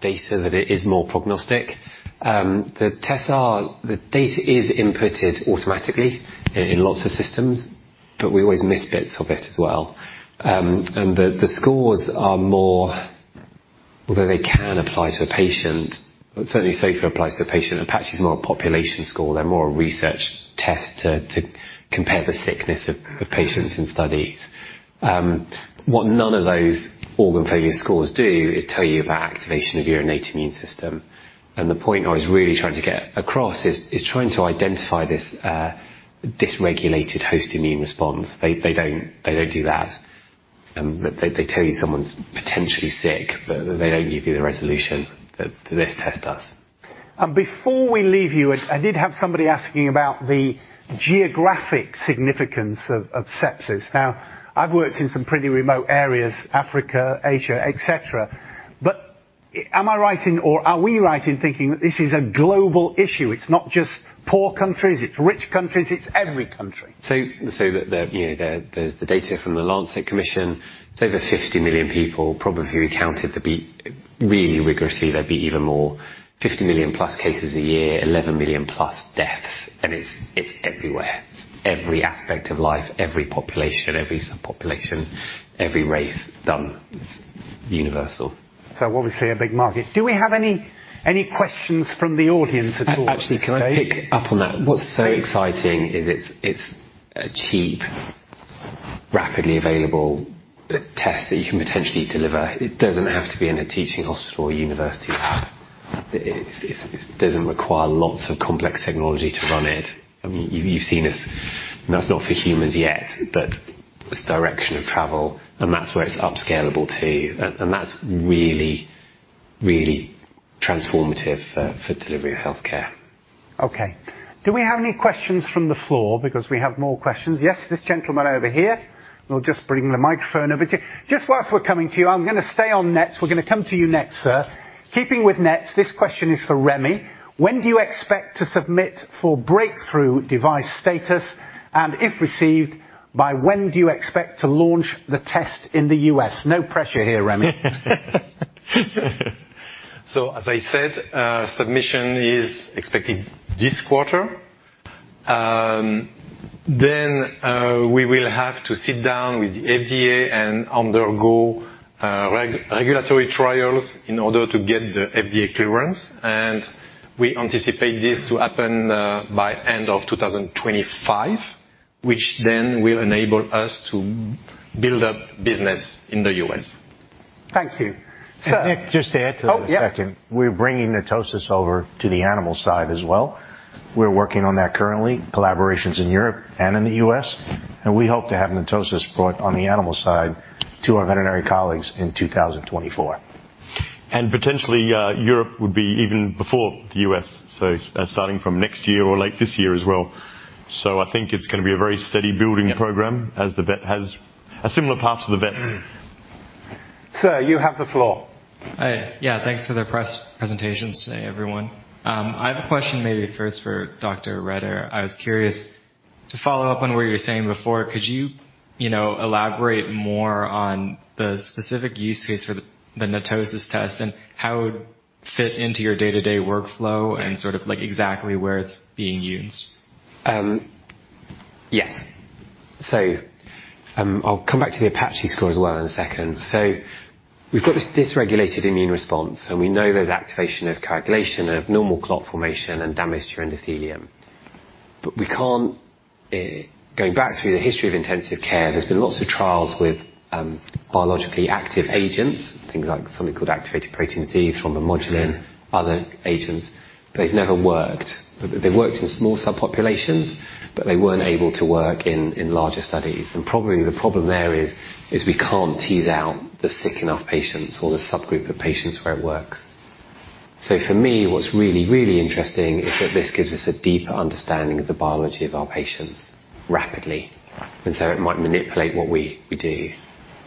data that it is more prognostic. The data is inputted automatically in lots of systems, but we always miss bits of it as well. The scores are more. Although they can apply to a patient, but certainly SOFA applies to a patient. APACHE is more a population score. They're more a research test to compare the sickness of patients in studies. What none of those organ failure scores do is tell you about activation of your innate immune system. The point I was really trying to get across is trying to identify this dysregulated host immune response. They don't do that. They tell you someone's potentially sick, but they don't give you the resolution that this test does. Before we leave you, I did have somebody asking about the geographic significance of sepsis. Now, I've worked in some pretty remote areas, Africa, Asia, et cetera. Are we right in thinking that this is a global issue? It's not just poor countries, it's rich countries, it's every country. You know, there's the data from the Lancet Commission, it's over 50 million people. Probably if you counted really rigorously, there'd be even more. 50 million+ cases a year, 11 million+ deaths, it's everywhere. It's every aspect of life, every population, every subpopulation, every race done. It's universal. Obviously a big market. Do we have any questions from the audience at all? Actually, can I pick up on that? Please. What's so exciting is it's a cheap, rapidly available test that you can potentially deliver. It doesn't have to be in a teaching hospital or university lab. It's doesn't require lots of complex technology to run it. I mean, you've seen this. That's not for humans yet, but it's the direction of travel, and that's where it's upscalable to. That's really transformative for delivery of healthcare. Okay. Do we have any questions from the floor? We have more questions. Yes, this gentleman over here. We'll just bring the microphone over to you. Just whilst we're coming to you, I'm gonna stay on NETs. We're gonna come to you next, sir. Keeping with NETs, this question is for Remi. When do you expect to submit for Breakthrough Device status? If received, by when do you expect to launch the test in the U.S.? No pressure here, Remi. As I said, submission is expected this quarter. We will have to sit down with the FDA and undergo regulatory trials in order to get the FDA clearance, and we anticipate this to happen by end of 2025, which then will enable us to build up business in the US. Thank you. Nick, just to add to that a second. Oh, yeah. We're bringing NETosis over to the animal side as well. We're working on that currently, collaborations in Europe and in the U.S., and we hope to have NETosis brought on the animal side to our veterinary colleagues in 2024. Potentially, Europe would be even before the U.S., so starting from next year or late this year as well. I think it's gonna be a very steady building program. Yep As the vet has a similar path to the vet. Sir, you have the floor. Hi. Yeah, thanks for the presentations today, everyone. I have a question maybe first for Dr. Retter. I was curious to follow up on what you were saying before. Could you know, elaborate more on the specific use case for the NETosis test and how it would fit into your day-to-day workflow and sort of like exactly where it's being used? Yes. I'll come back to the APACHE score as well in a second. We've got this dysregulated immune response, and we know there's activation of coagulation, of normal clot formation and damage to your endothelium. We can't. Going back through the history of intensive care, there's been lots of trials with biologically active agents, things like something called activated protein C, thrombomodulin, other agents, but they've never worked. They've worked in small subpopulations, but they weren't able to work in larger studies. Probably the problem there is we can't tease out the sick enough patients or the subgroup of patients where it works. For me, what's really, really interesting is that this gives us a deeper understanding of the biology of our patients rapidly. It might manipulate what we do.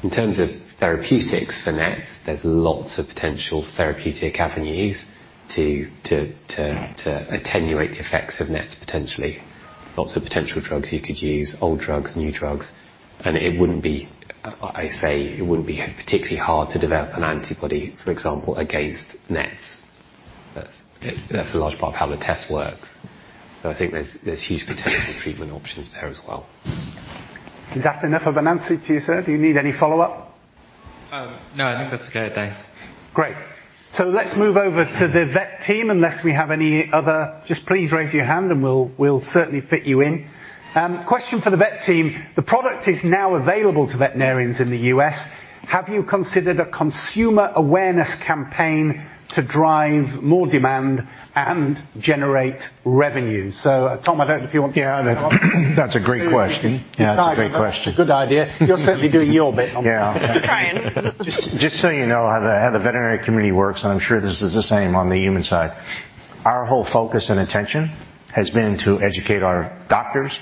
In terms of therapeutics for NETs, there's lots of potential therapeutic avenues to attenuate the effects of NETs potentially. Lots of potential drugs you could use, old drugs, new drugs. I say it wouldn't be particularly hard to develop an antibody, for example, against NETs. That's a large part of how the test works. I think there's huge treatment options there as well. Is that enough of an answer to you, sir? Do you need any follow-up? No, I think that's good. Thanks. Great. Let's move over to the vet team, unless we have any other. Just please raise your hand, and we'll certainly fit you in. Question for the vet team. The product is now available to veterinarians in the U.S. Have you considered a consumer awareness campaign to drive more demand and generate revenue? Tom, I don't know if you want to- Yeah. That's a great question. Good idea. You're certainly doing your bit. Yeah. Trying. Just so you know how the, how the veterinary community works, and I'm sure this is the same on the human side. Our whole focus and attention has been to educate our doctors,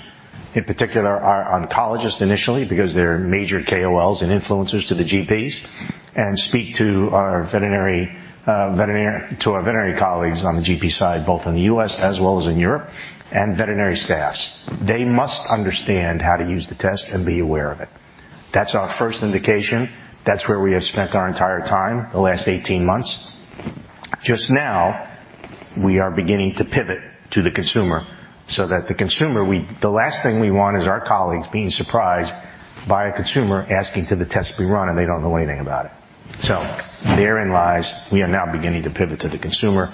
in particular our oncologists initially, because they're major KOLs and influencers to the GPs, and speak to our veterinary colleagues on the GP side, both in the US as well as in Europe, and veterinary staffs. They must understand how to use the test and be aware of it. That's our first indication. That's where we have spent our entire time the last 18 months. Just now, we are beginning to pivot to the consumer. The last thing we want is our colleagues being surprised by a consumer asking for the test to be run, and they don't know anything about it. Therein lies, we are now beginning to pivot to the consumer.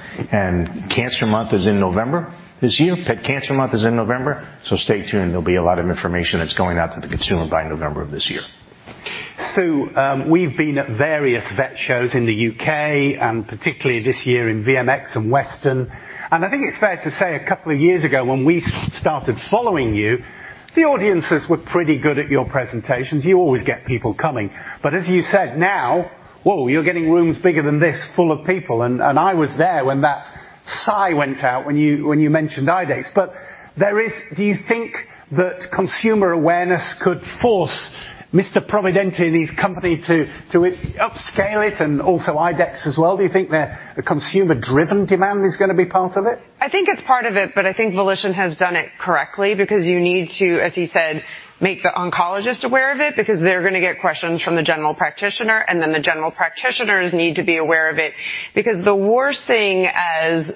Cancer Month is in November this year. Pet Cancer Month is in November. Stay tuned, there'll be a lot of information that's going out to the consumer by November of this year. Sue, we've been at various vet shows in the U.K., particularly this year in VMX and Western. I think it's fair to say a couple of years ago when we started following you, the audiences were pretty good at your presentations. You always get people coming. As you said, now, whoa, you're getting rooms bigger than this full of people. I was there when that sigh went out when you mentioned IDEXX. Do you think that consumer awareness could force Mr. Providenti and his company to upscale it and also IDEXX as well? Do you think the consumer-driven demand is gonna be part of it? I think it's part of it. I think Volition has done it correctly because you need to, as he said, make the oncologist aware of it, because they're gonna get questions from the general practitioner. The general practitioners need to be aware of it. The worst thing as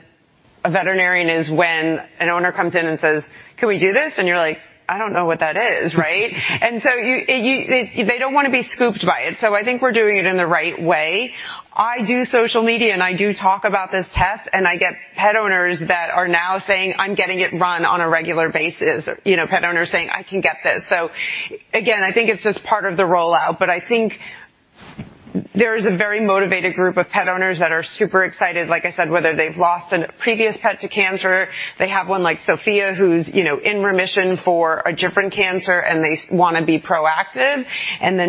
a veterinarian is when an owner comes in and says, "Can we do this?" You're like, "I don't know what that is." Right? You don't wanna be scooped by it. I think we're doing it in the right way. I do social media. I do talk about this test. I get pet owners that are now saying, "I'm getting it run on a regular basis." You know, pet owners saying, "I can get this." Again, I think it's just part of the rollout. I think there is a very motivated group of pet owners that are super excited, like I said, whether they've lost a previous pet to cancer, they have one like Sophia who's, you know, in remission for a different cancer, they wanna be proactive,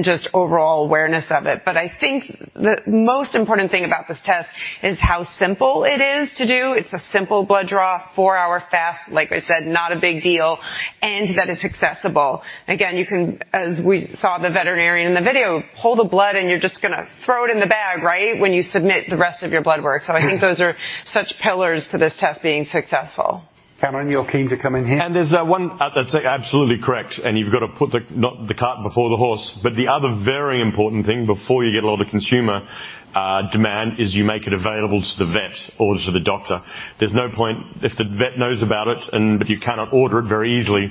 just overall awareness of it. I think the most important thing about this test is how simple it is to do. It's a simple blood draw, four-hour fast. Like I said, not a big deal, and that it's accessible. Again, you can, as we saw the veterinarian in the video, pull the blood, and you're just gonna throw it in the bag, right, when you submit the rest of your blood work. I think those are such pillars to this test being successful. Cameron, you're keen to come in here. There's, I'd say absolutely correct. You've got to put the cart before the horse. The other very important thing before you get a lot of consumer demand, is you make it available to the vet or to the doctor. There's no point if the vet knows about it but you cannot order it very easily.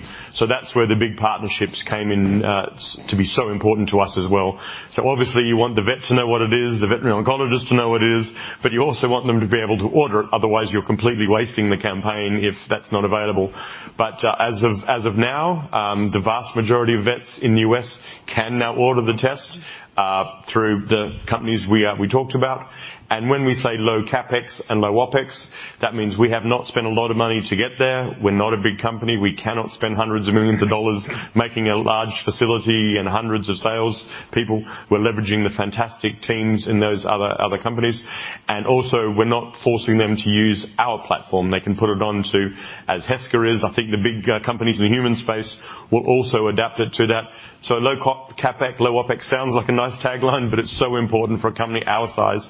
That's where the big partnerships came in to be so important to us as well. Obviously you want the vet to know what it is, the veterinary oncologist to know what it is. You also want them to be able to order it, otherwise, you're completely wasting the campaign if that's not available. As of now, the vast majority of vets in the U.S. can now order the test through the companies we talked about. When we say low CapEx and low OpEx, that means we have not spent a lot of money to get there. We're not a big company. We cannot spend hundreds of millions of dollars making a large facility and hundreds of sales people. We're leveraging the fantastic teams in those other companies. Also we're not forcing them to use our platform. They can put it onto, as Heska is. I think the big companies in the human space will also adapt it to that. Low CapEx, low OpEx sounds like a nice tagline, but it's so important for a company our size.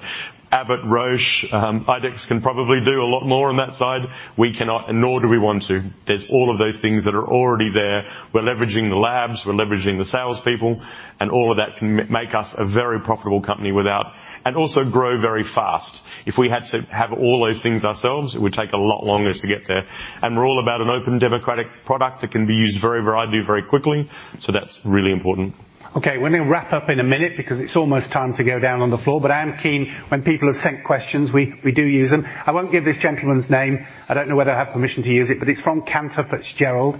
Abbott, Roche, IDEXX can probably do a lot more on that side. We cannot. Nor do we want to. There's all of those things that are already there. We're leveraging the labs, we're leveraging the salespeople, and all of that can make us a very profitable company and also grow very fast. If we had to have all those things ourselves, it would take a lot longer to get there. We're all about an open democratic product that can be used very variably very quickly. That's really important. Okay, we're gonna wrap up in a minute because it's almost time to go down on the floor. I am keen when people have sent questions, we do use them. I won't give this gentleman's name. I don't know whether I have permission to use it, but it's from Cantor Fitzgerald.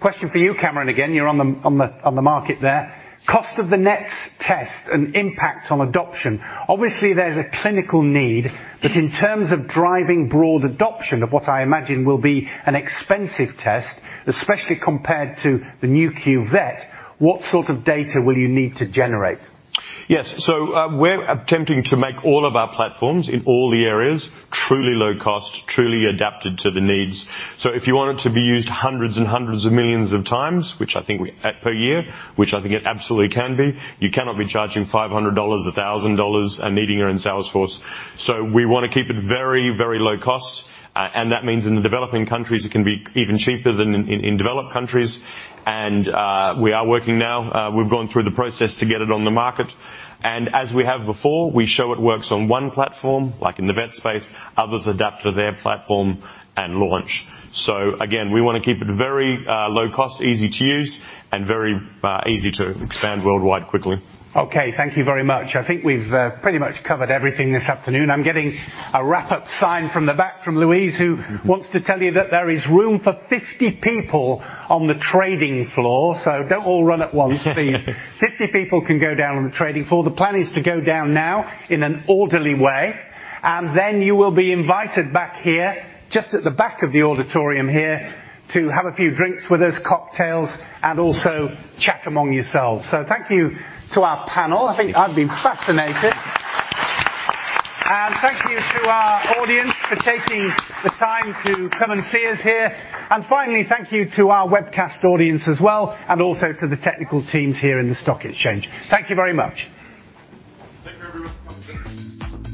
Question for you, Cameron, again, you're on the market there. Cost of the NETs test and impact on adoption. Obviously, there's a clinical need, but in terms of driving broad adoption of what I imagine will be an expensive test, especially compared to the Nu.Q Vet, what sort of data will you need to generate? Yes. We're attempting to make all of our platforms in all the areas truly low cost, truly adapted to the needs. If you want it to be used hundreds and hundreds of millions of times, which I think per year, which I think it absolutely can be, you cannot be charging $500, $1,000 and needing your own sales force. We wanna keep it very, very low cost. And that means in the developing countries, it can be even cheaper than in, in developed countries. We are working now. We've gone through the process to get it on the market. As we have before, we show it works on one platform, like in the vet space, others adapt to their platform and launch. Again, we wanna keep it very, low cost, easy to use, and very, easy to expand worldwide quickly. Okay, thank you very much. I think we've pretty much covered everything this afternoon. I'm getting a wrap-up sign from the back from Louise, who wants to tell you that there is room for 50 people on the trading floor. Don't all run at once, please. 50 people can go down on the trading floor. The plan is to go down now in an orderly way, and then you will be invited back here, just at the back of the auditorium here, to have a few drinks with us, cocktails, and also chat among yourselves. Thank you to our panel. I think I've been fascinated. Thank you to our audience for taking the time to come and see us here. Finally, thank you to our webcast audience as well, and also to the technical teams here in the stock exchange. Thank you very much. Thank you, everyone, for coming.